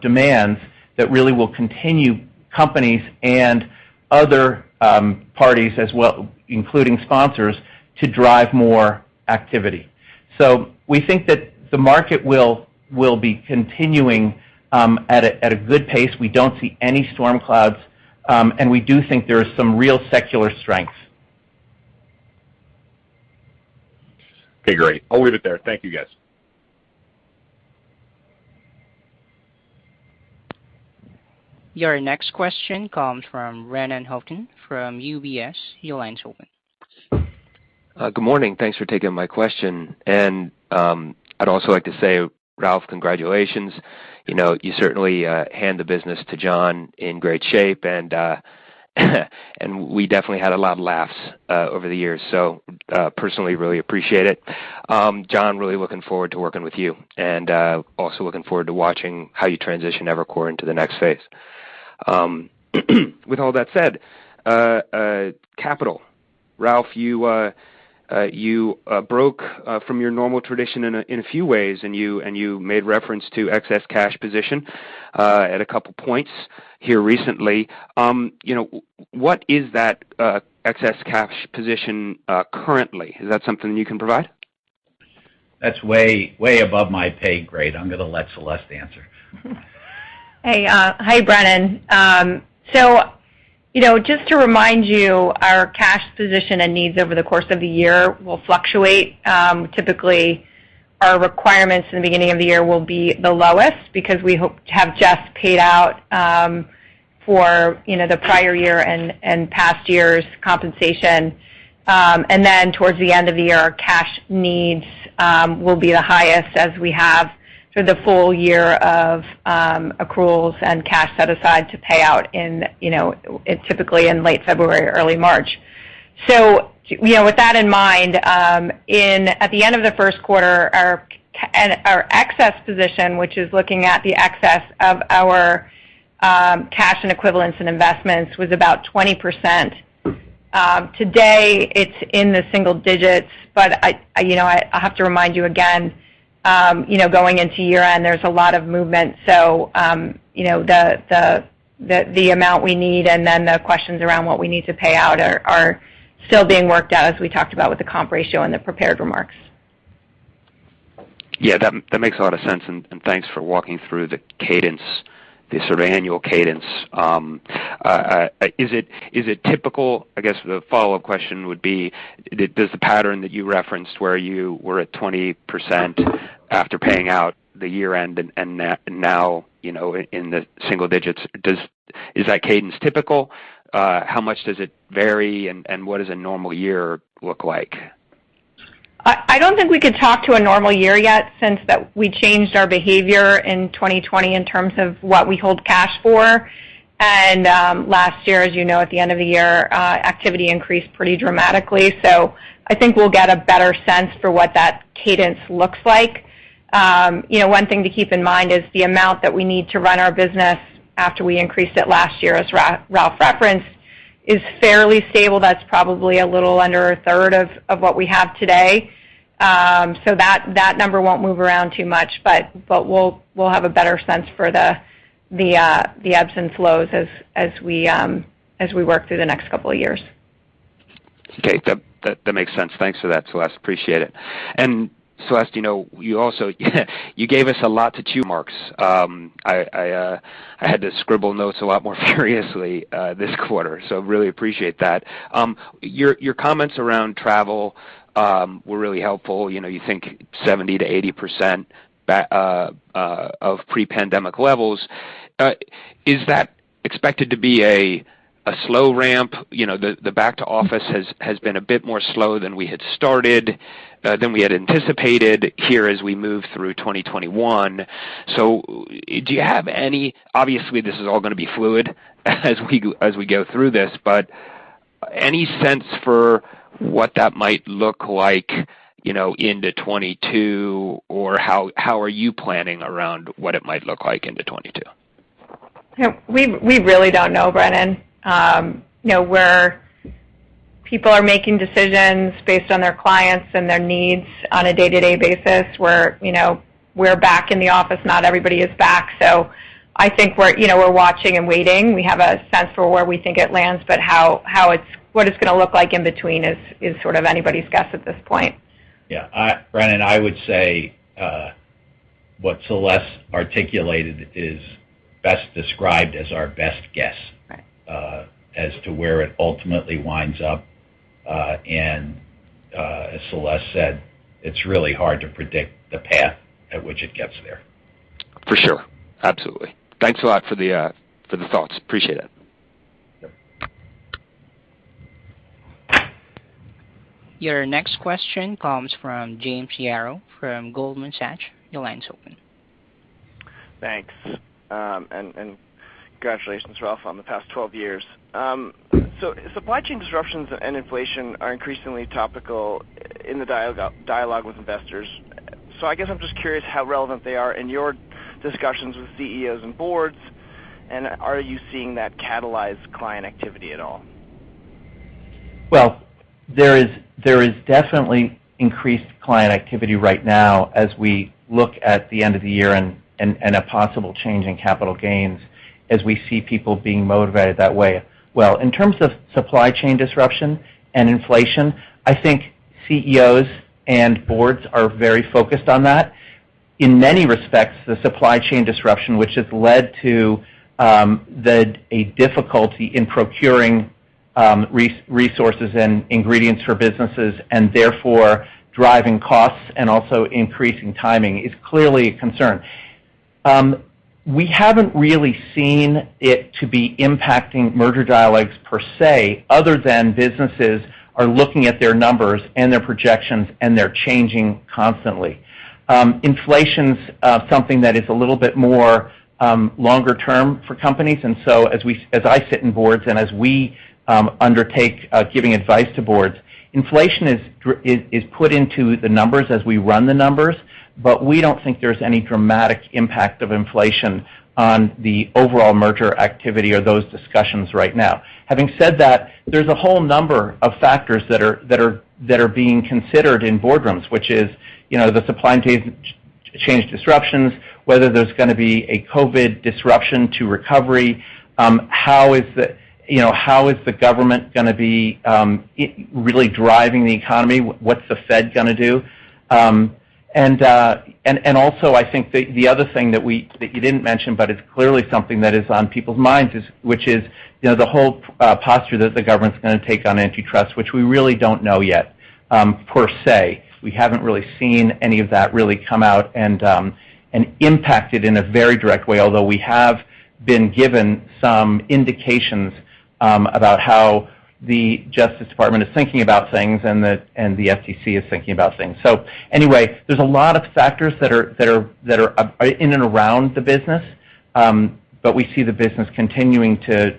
demands that really will continue companies and other parties as well, including sponsors, to drive more activity. We think that the market will be continuing at a good pace. We don't see any storm clouds, and we do think there are some real secular strengths. Okay, great. I'll leave it there. Thank you, guys. Your next question comes from Brennan Hawken from UBS. Your line is open. Good morning. Thanks for taking my question. I'd also like to say, Ralph, congratulations. You know, you certainly hand the business to John in great shape, and we definitely had a lot of laughs over the years. Personally really appreciate it. John, really looking forward to working with you and also looking forward to watching how you transition Evercore into the next phase. With all that said, capital. Ralph, you broke from your normal tradition in a few ways, and you made reference to excess cash position at a couple points here recently. You know, what is that excess cash position currently? Is that something you can provide? That's way above my pay grade. I'm gonna let Celeste answer. Hey. Hi, Brennan. You know, just to remind you, our cash position and needs over the course of the year will fluctuate. Typically, our requirements in the beginning of the year will be the lowest because we hope to have just paid out for, you know, the prior year and past years' compensation. Then towards the end of the year, cash needs will be the highest as we have through the full year of accruals and cash set aside to pay out in, you know, it's typically in late February, early March. You know, with that in mind, at the end of the first quarter, our cash and our excess position, which is looking at the excess of our cash and equivalents and investments, was about 20%. Today it's in the single digits, but I, you know, I have to remind you again, you know, going into year-end, there's a lot of movement. You know, the amount we need and then the questions around what we need to pay out are still being worked out as we talked about with the comp ratio and the prepared remarks. Yeah. That makes a lot of sense, and thanks for walking through the cadence, the sort of annual cadence. Is it typical? I guess the follow-up question would be, does the pattern that you referenced where you were at 20% after paying out the year-end and that now, you know, in the single digits, is that cadence typical? How much does it vary, and what does a normal year look like? I don't think we could talk about a normal year yet since we changed our behavior in 2020 in terms of what we hold cash for. Last year, as you know, at the end of the year, activity increased pretty dramatically. I think we'll get a better sense for what that cadence looks like. You know, one thing to keep in mind is the amount that we need to run our business after we increased it last year, as Ralph referenced, is fairly stable. That's probably a little under a third of what we have today. That number won't move around too much. We'll have a better sense for the ebbs and flows as we work through the next couple of years. Okay. That makes sense. Thanks for that, Celeste. Appreciate it. Celeste, you know, you gave us a lot to chew on. I had to scribble notes a lot more furiously this quarter, so really appreciate that. Your comments around travel were really helpful. You know, you think 70%-80% of pre-pandemic levels. Is that expected to be a slow ramp? You know, the back to office has been a bit more slow than we had started than we had anticipated here as we move through 2021. Do you have any—obviously, this is all gonna be fluid as we go through this, but any sense for what that might look like, you know, into 2022 or how are you planning around what it might look like into 2022? Yeah. We really don't know, Brennan. You know, people are making decisions based on their clients and their needs on a day-to-day basis, where, you know, we're back in the office, not everybody is back. I think we're, you know, watching and waiting. We have a sense for where we think it lands, but how what it's gonna look like in between is sort of anybody's guess at this point. Yeah. Brennan, I would say, what Celeste articulated is best described as our best guess. Right. As to where it ultimately winds up. As Celeste said, it's really hard to predict the path at which it gets there. For sure. Absolutely. Thanks a lot for the thoughts. Appreciate it. Yeah. Your next question comes from James Yaro from Goldman Sachs. Your line's open. Thanks. And congratulations, Ralph, on the past 12 years. Supply chain disruptions and inflation are increasingly topical in the dialogue with investors. I guess I'm just curious how relevant they are in your discussions with CEOs and boards. Are you seeing that catalyze client activity at all? Well, there is definitely increased client activity right now as we look at the end of the year and a possible change in capital gains as we see people being motivated that way. Well, in terms of supply chain disruption and inflation, I think CEOs and boards are very focused on that. In many respects, the supply chain disruption, which has led to a difficulty in procuring resources and ingredients for businesses, and therefore driving costs and also increasing timing, is clearly a concern. We haven't really seen it to be impacting merger dialogues per se other than businesses are looking at their numbers and their projections, and they're changing constantly. Inflation's something that is a little bit more longer term for companies. As I sit in boards and as we undertake giving advice to boards, inflation is put into the numbers as we run the numbers, but we don't think there's any dramatic impact of inflation on the overall merger activity or those discussions right now. Having said that, there's a whole number of factors that are being considered in boardrooms, which is, you know, the supply chain disruptions, whether there's gonna be a COVID disruption to recovery, how is the government gonna be really driving the economy, what's the Fed gonna do? Also, I think the other thing that you didn't mention but is clearly something that is on people's minds is, you know, the whole posture that the government's gonna take on antitrust, which we really don't know yet, per se. We haven't really seen any of that really come out and impact it in a very direct way, although we have been given some indications about how the Justice Department is thinking about things and the FTC is thinking about things. Anyway, there's a lot of factors that are in and around the business, but we see the business continuing to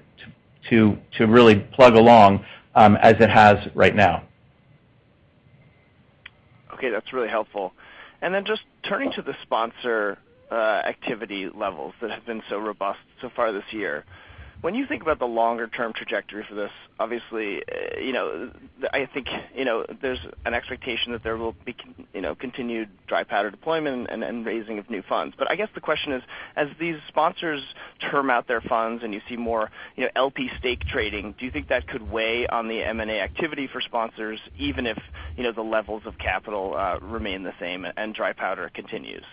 really plug along as it has right now. Okay, that's really helpful. Then just turning to the sponsor activity levels that have been so robust so far this year. When you think about the longer term trajectory for this, obviously, you know, I think, you know, there's an expectation that there will be you know, continued dry powder deployment and raising of new funds. I guess the question is, as these sponsors term out their funds and you see more, you know, LP stake trading, do you think that could weigh on the M&A activity for sponsors even if, you know, the levels of capital remain the same and dry powder continues?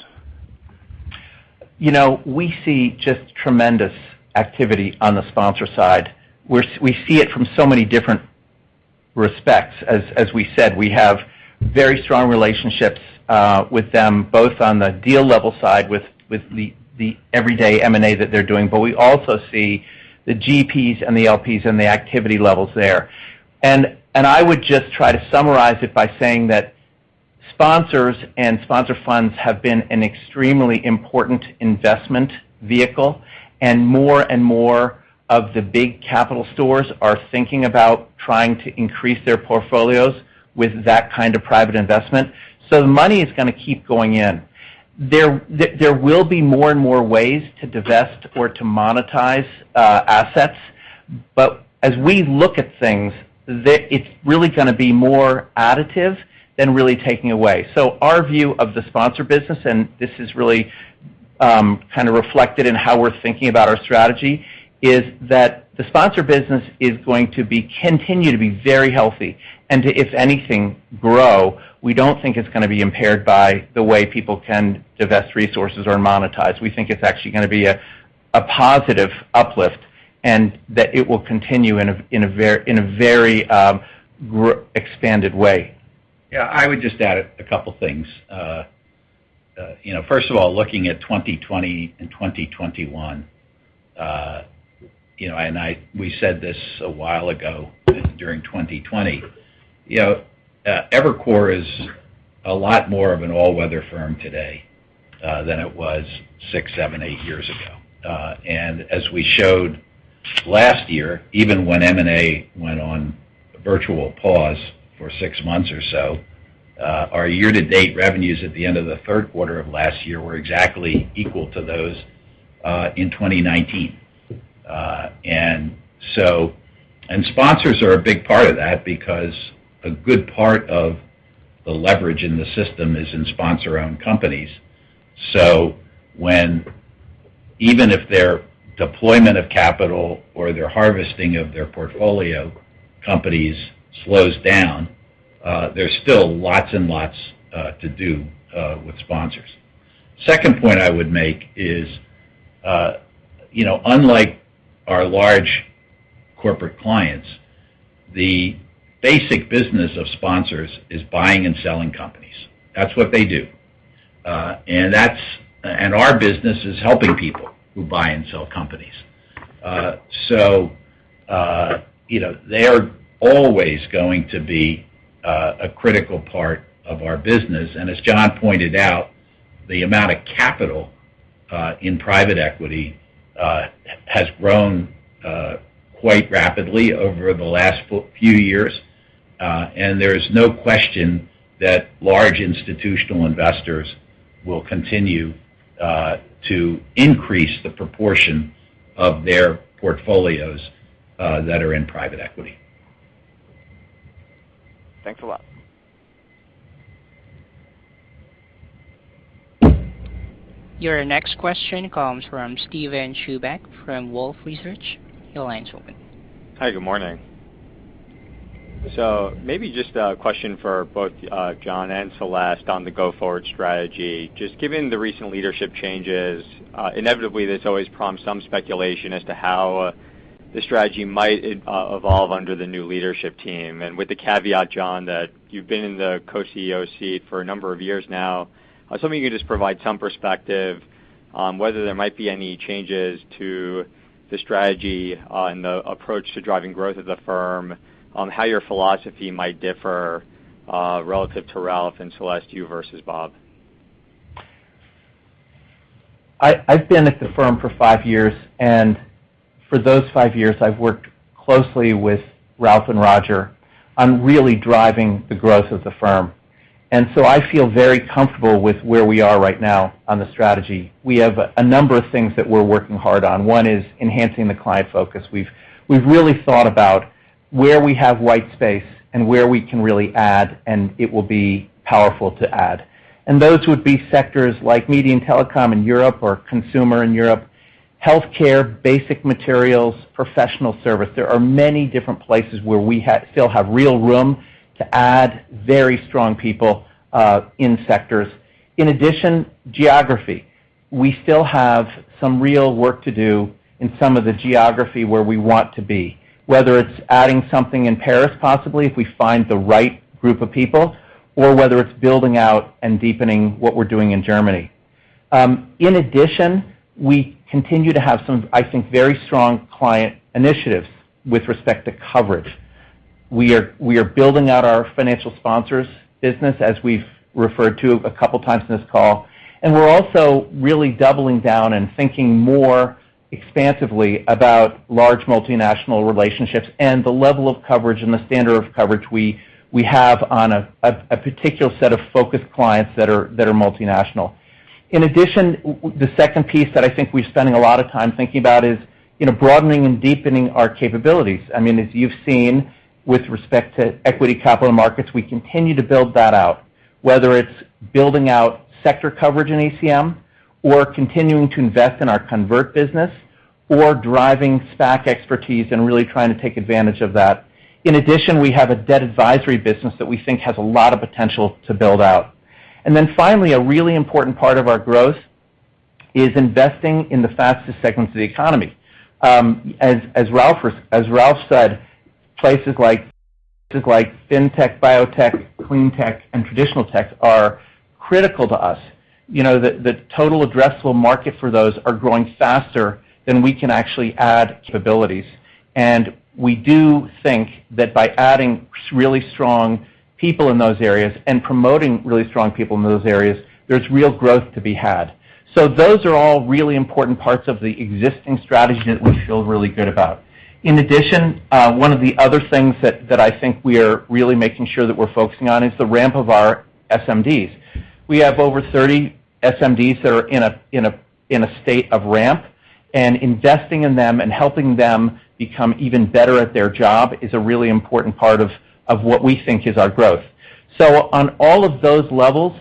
You know, we see just tremendous activity on the sponsor side. We see it from so many different respects. As we said, we have very strong relationships with them, both on the deal level side with the everyday M&A that they're doing, but we also see the GPs and the LPs and the activity levels there. I would just try to summarize it by saying that sponsors and sponsor funds have been an extremely important investment vehicle, and more and more of the big capital sources are thinking about trying to increase their portfolios with that kind of private investment. The money is gonna keep going in. There will be more and more ways to divest or to monetize assets. As we look at things, it's really gonna be more additive than really taking away. Our view of the sponsor business, and this is really kind of reflected in how we're thinking about our strategy, is that the sponsor business is going to continue to be very healthy and to, if anything, grow. We don't think it's gonna be impaired by the way people can divest resources or monetize. We think it's actually gonna be a positive uplift, and that it will continue in a very greatly expanded way. Yeah, I would just add a couple things. You know, first of all, looking at 2020 and 2021, we said this a while ago during 2020. You know, Evercore is a lot more of an all-weather firm today than it was six, seven, eight years ago. As we showed last year, even when M&A went on virtual pause for six months or so, our year-to-date revenues at the end of the third quarter of last year were exactly equal to those in 2019. Sponsors are a big part of that because a good part of the leverage in the system is in sponsor-owned companies. Even if their deployment of capital or their harvesting of their portfolio companies slows down, there's still lots and lots to do with sponsors. Second point I would make is, you know, unlike our large corporate clients, the basic business of sponsors is buying and selling companies. That's what they do. Our business is helping people who buy and sell companies. You know, they're always going to be a critical part of our business. As John pointed out, the amount of capital in private equity has grown quite rapidly over the last few years. There is no question that large institutional investors will continue to increase the proportion of their portfolios that are in private equity. Thanks a lot. Your next question comes from Steven Chubak from Wolfe Research. Your line's open. Hi, good morning. Maybe just a question for both John and Celeste on the go-forward strategy. Just given the recent leadership changes, inevitably, this always prompts some speculation as to how the strategy might evolve under the new leadership team. With the caveat, John, that you've been in the co-CEO seat for a number of years now, I was hoping you could just provide some perspective on whether there might be any changes to the strategy on the approach to driving growth of the firm, on how your philosophy might differ relative to Ralph and Celeste, you versus Bob. I've been at the firm for five years, and for those five years, I've worked closely with Ralph and Roger on really driving the growth of the firm. I feel very comfortable with where we are right now on the strategy. We have a number of things that we're working hard on. One is enhancing the client focus. We've really thought about where we have white space and where we can really add, and it will be powerful to add. Those would be sectors like media and telecom in Europe or consumer in Europe, healthcare, basic materials, professional service. There are many different places where we still have real room to add very strong people in sectors. In addition, geography. We still have some real work to do in some of the geography where we want to be, whether it's adding something in Paris, possibly, if we find the right group of people, or whether it's building out and deepening what we're doing in Germany. In addition, we continue to have some, I think, very strong client initiatives with respect to coverage. We are building out our financial sponsors business, as we've referred to a couple of times in this call, and we're also really doubling down and thinking more expansively about large multinational relationships and the level of coverage and the standard of coverage we have on a particular set of focus clients that are multinational. In addition, the second piece that I think we're spending a lot of time thinking about is, you know, broadening and deepening our capabilities. I mean, as you've seen with respect to equity capital markets, we continue to build that out, whether it's building out sector coverage in ECM or continuing to invest in our convert business or driving SPAC expertise and really trying to take advantage of that. In addition, we have a debt advisory business that we think has a lot of potential to build out. Finally, a really important part of our growth is investing in the fastest segments of the economy. As Ralph said, places like fintech, biotech, clean tech, and traditional tech are critical to us. You know, the total addressable market for those are growing faster than we can actually add capabilities. We do think that by adding really strong people in those areas and promoting really strong people in those areas, there's real growth to be had. Those are all really important parts of the existing strategy that we feel really good about. In addition, one of the other things that I think we are really making sure that we're focusing on is the ramp of our SMDs. We have over 30 SMDs that are in a state of ramp, and investing in them and helping them become even better at their job is a really important part of what we think is our growth. On all of those levels,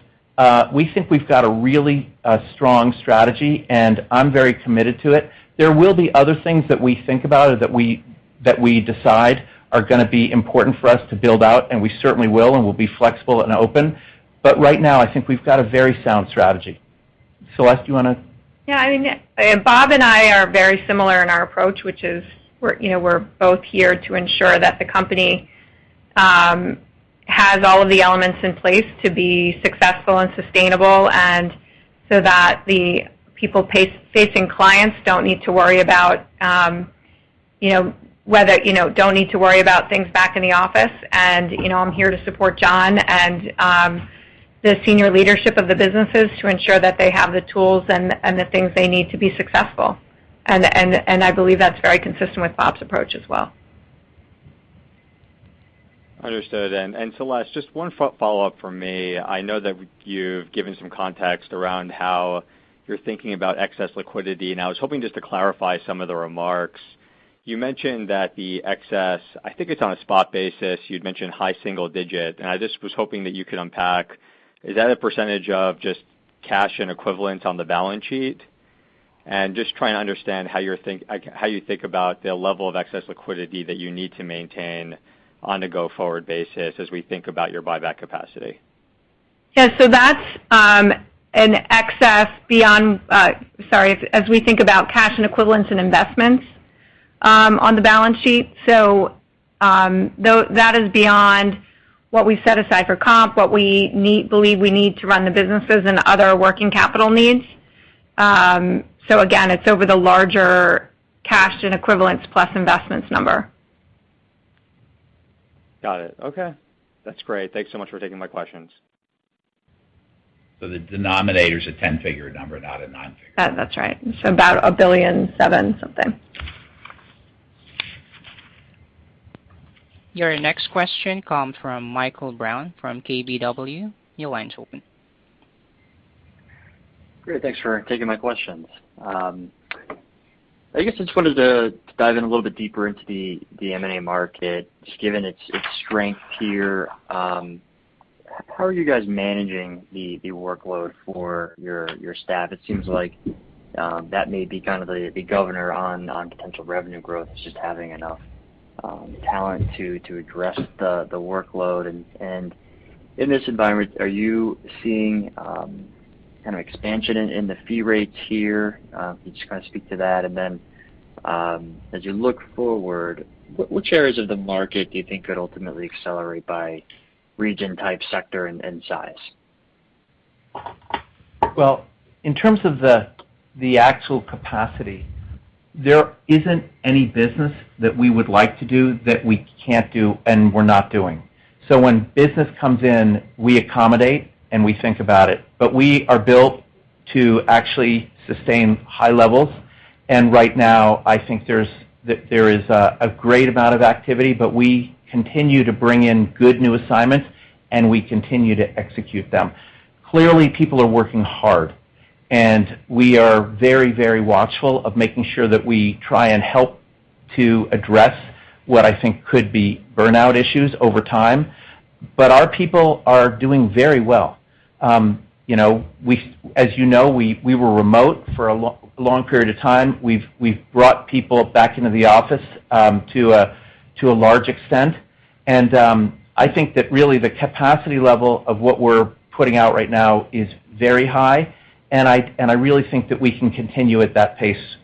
we think we've got a really strong strategy, and I'm very committed to it. There will be other things that we think about or that we decide are gonna be important for us to build out, and we certainly will, and we'll be flexible and open. Right now, I think we've got a very sound strategy. Celeste, you wanna? Yeah, I mean, Bob and I are very similar in our approach, which is we're, you know, we're both here to ensure that the company has all of the elements in place to be successful and sustainable, and so that the people facing clients don't need to worry about, you know, whether, you know, don't need to worry about things back in the office. You know, I'm here to support John and the senior leadership of the businesses to ensure that they have the tools and I believe that's very consistent with Bob's approach as well. Understood. Celeste, just one follow-up from me. I know that you've given some context around how you're thinking about excess liquidity, and I was hoping just to clarify some of the remarks. You mentioned that the excess, I think it's on a spot basis, you'd mentioned high single digit, and I just was hoping that you could unpack, is that a percentage of just cash and equivalents on the balance sheet? Just trying to understand how you think about the level of excess liquidity that you need to maintain on a go-forward basis as we think about your buyback capacity. That's an excess, as we think about cash and equivalents and investments on the balance sheet. That is beyond what we set aside for comp, what we believe we need to run the businesses and other working capital needs. Again, it's over the larger cash and equivalents plus investments number. Got it. Okay. That's great. Thanks so much for taking my questions. The denominator is a 10-figure number, not a nine-figure number. That's right. About $1.7 billion something. Your next question comes from Michael Brown from KBW. Your line's open. Great. Thanks for taking my questions. I guess I just wanted to dive in a little bit deeper into the M&A market, just given its strength here. How are you guys managing the workload for your staff? It seems like that may be kind of the governor on potential revenue growth is just having enough talent to address the workload. In this environment, are you seeing kind of expansion in the fee rates here? Can you just kind of speak to that? As you look forward, which areas of the market do you think could ultimately accelerate by region, type, sector, and size? Well, in terms of the actual capacity, there isn't any business that we would like to do that we can't do and we're not doing. When business comes in, we accommodate, and we think about it. We are built to actually sustain high levels. Right now, I think that there is a great amount of activity, but we continue to bring in good new assignments, and we continue to execute them. Clearly, people are working hard, and we are very watchful of making sure that we try and help to address what I think could be burnout issues over time. Our people are doing very well. You know, as you know, we were remote for a long period of time. We've brought people back into the office, to a large extent. I think that really the capacity level of what we're putting out right now is very high, and I really think that we can continue at that pace.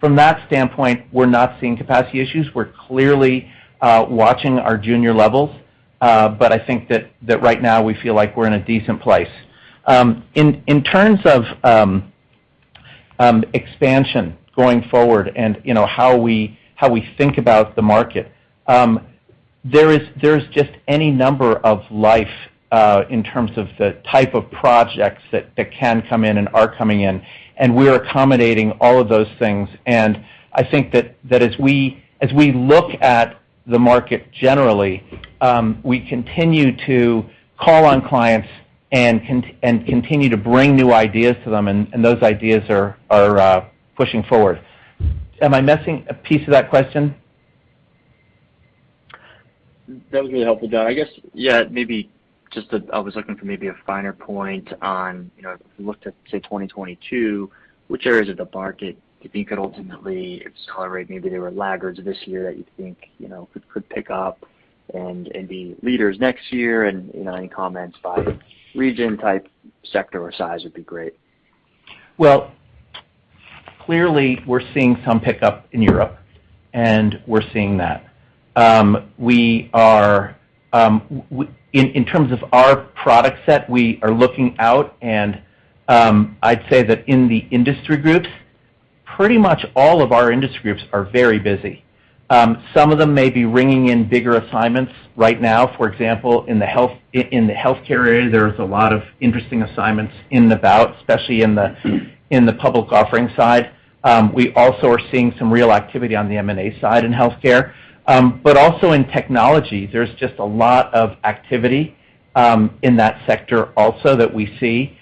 From that standpoint, we're not seeing capacity issues. We're clearly watching our junior levels, but I think that right now we feel like we're in a decent place. In terms of expansion going forward and, you know, how we think about the market, there's just any number of lines in terms of the type of projects that can come in and are coming in, and we're accommodating all of those things. I think that as we look at the market generally, we continue to call on clients and continue to bring new ideas to them, and those ideas are pushing forward. Am I missing a piece of that question? That was really helpful, John. I guess, yeah, maybe just that I was looking for maybe a finer point on, you know, if you looked at, say, 2022, which areas of the market do you think could ultimately accelerate? Maybe there were laggards this year that you think, you know, could pick up and be leaders next year. You know, any comments by region, type, sector, or size would be great. Well, clearly, we're seeing some pickup in Europe, and we're seeing that. We are in terms of our product set, we are looking out. I'd say that in the industry groups, pretty much all of our industry groups are very busy. Some of them may be bringing in bigger assignments right now. For example, in the healthcare area, there's a lot of interesting assignments, especially in the public offering side. We also are seeing some real activity on the M&A side in healthcare. But also in technology, there's just a lot of activity in that sector also that we see.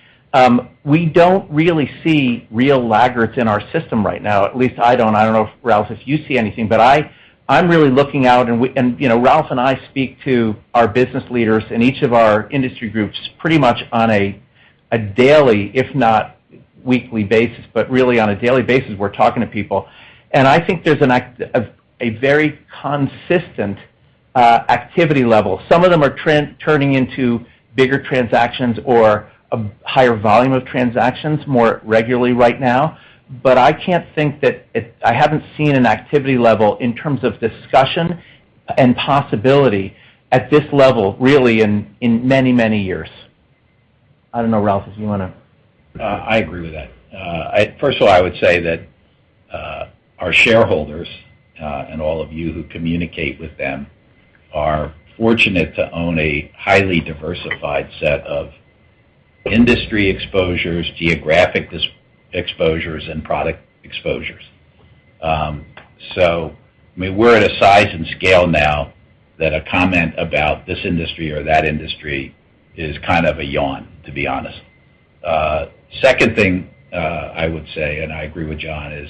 We don't really see real laggards in our system right now. At least I don't. I don't know if, Ralph, you see anything. I'm really looking out, you know, Ralph and I speak to our business leaders in each of our industry groups pretty much on a daily if not weekly basis. Really on a daily basis, we're talking to people. I think there's a very consistent activity level. Some of them are turning into bigger transactions or a higher volume of transactions more regularly right now. I can't think that I haven't seen an activity level in terms of discussion and possibility at this level really in many years. I don't know, Ralph, if you wanna. I agree with that. First of all, I would say that our shareholders and all of you who communicate with them are fortunate to own a highly diversified set of industry exposures, geographic dis-exposures, and product exposures. So, I mean, we're at a size and scale now that a comment about this industry or that industry is kind of a yawn, to be honest. Second thing, I would say, and I agree with John, is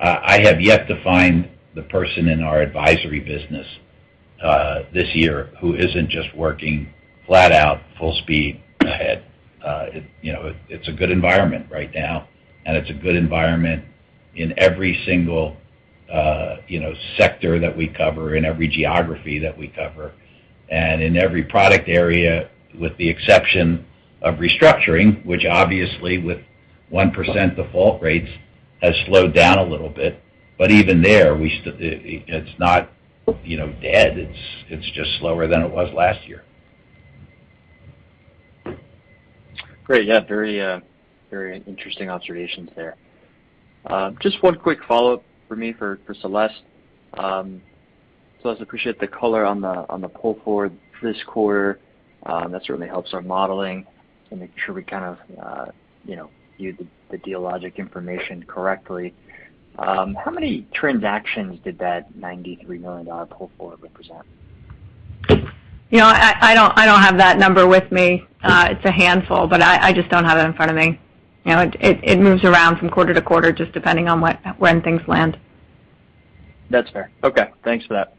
I have yet to find the person in our advisory business this year who isn't just working flat out full speed ahead. You know, it's a good environment right now, and it's a good environment in every single, you know, sector that we cover, in every geography that we cover, and in every product area with the exception of restructuring, which obviously with 1% default rates has slowed down a little bit. Even there, we still, it's not, you know, dead. It's just slower than it was last year. Great. Yeah. Very interesting observations there. Just one quick follow-up for me for Celeste. Celeste, appreciate the color on the pull forward for this quarter. That certainly helps our modeling to make sure we kind of, you know, view the deal logic information correctly. How many transactions did that $93 million pull forward represent? You know, I don't have that number with me. It's a handful, but I just don't have it in front of me. You know, it moves around from quarter to quarter just depending on when things land. That's fair. Okay, thanks for that.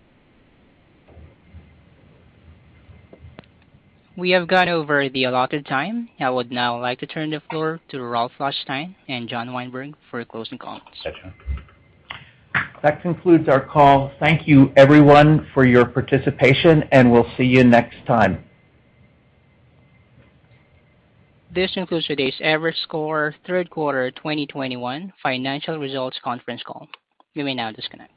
We have gone over the allotted time. I would now like to turn the floor to Ralph Schlosstein and John Weinberg for closing comments. Go ahead, John. That concludes our call. Thank you everyone for your participation, and we'll see you next time. This concludes today's Evercore third quarter 2021 financial results conference call. You may now disconnect.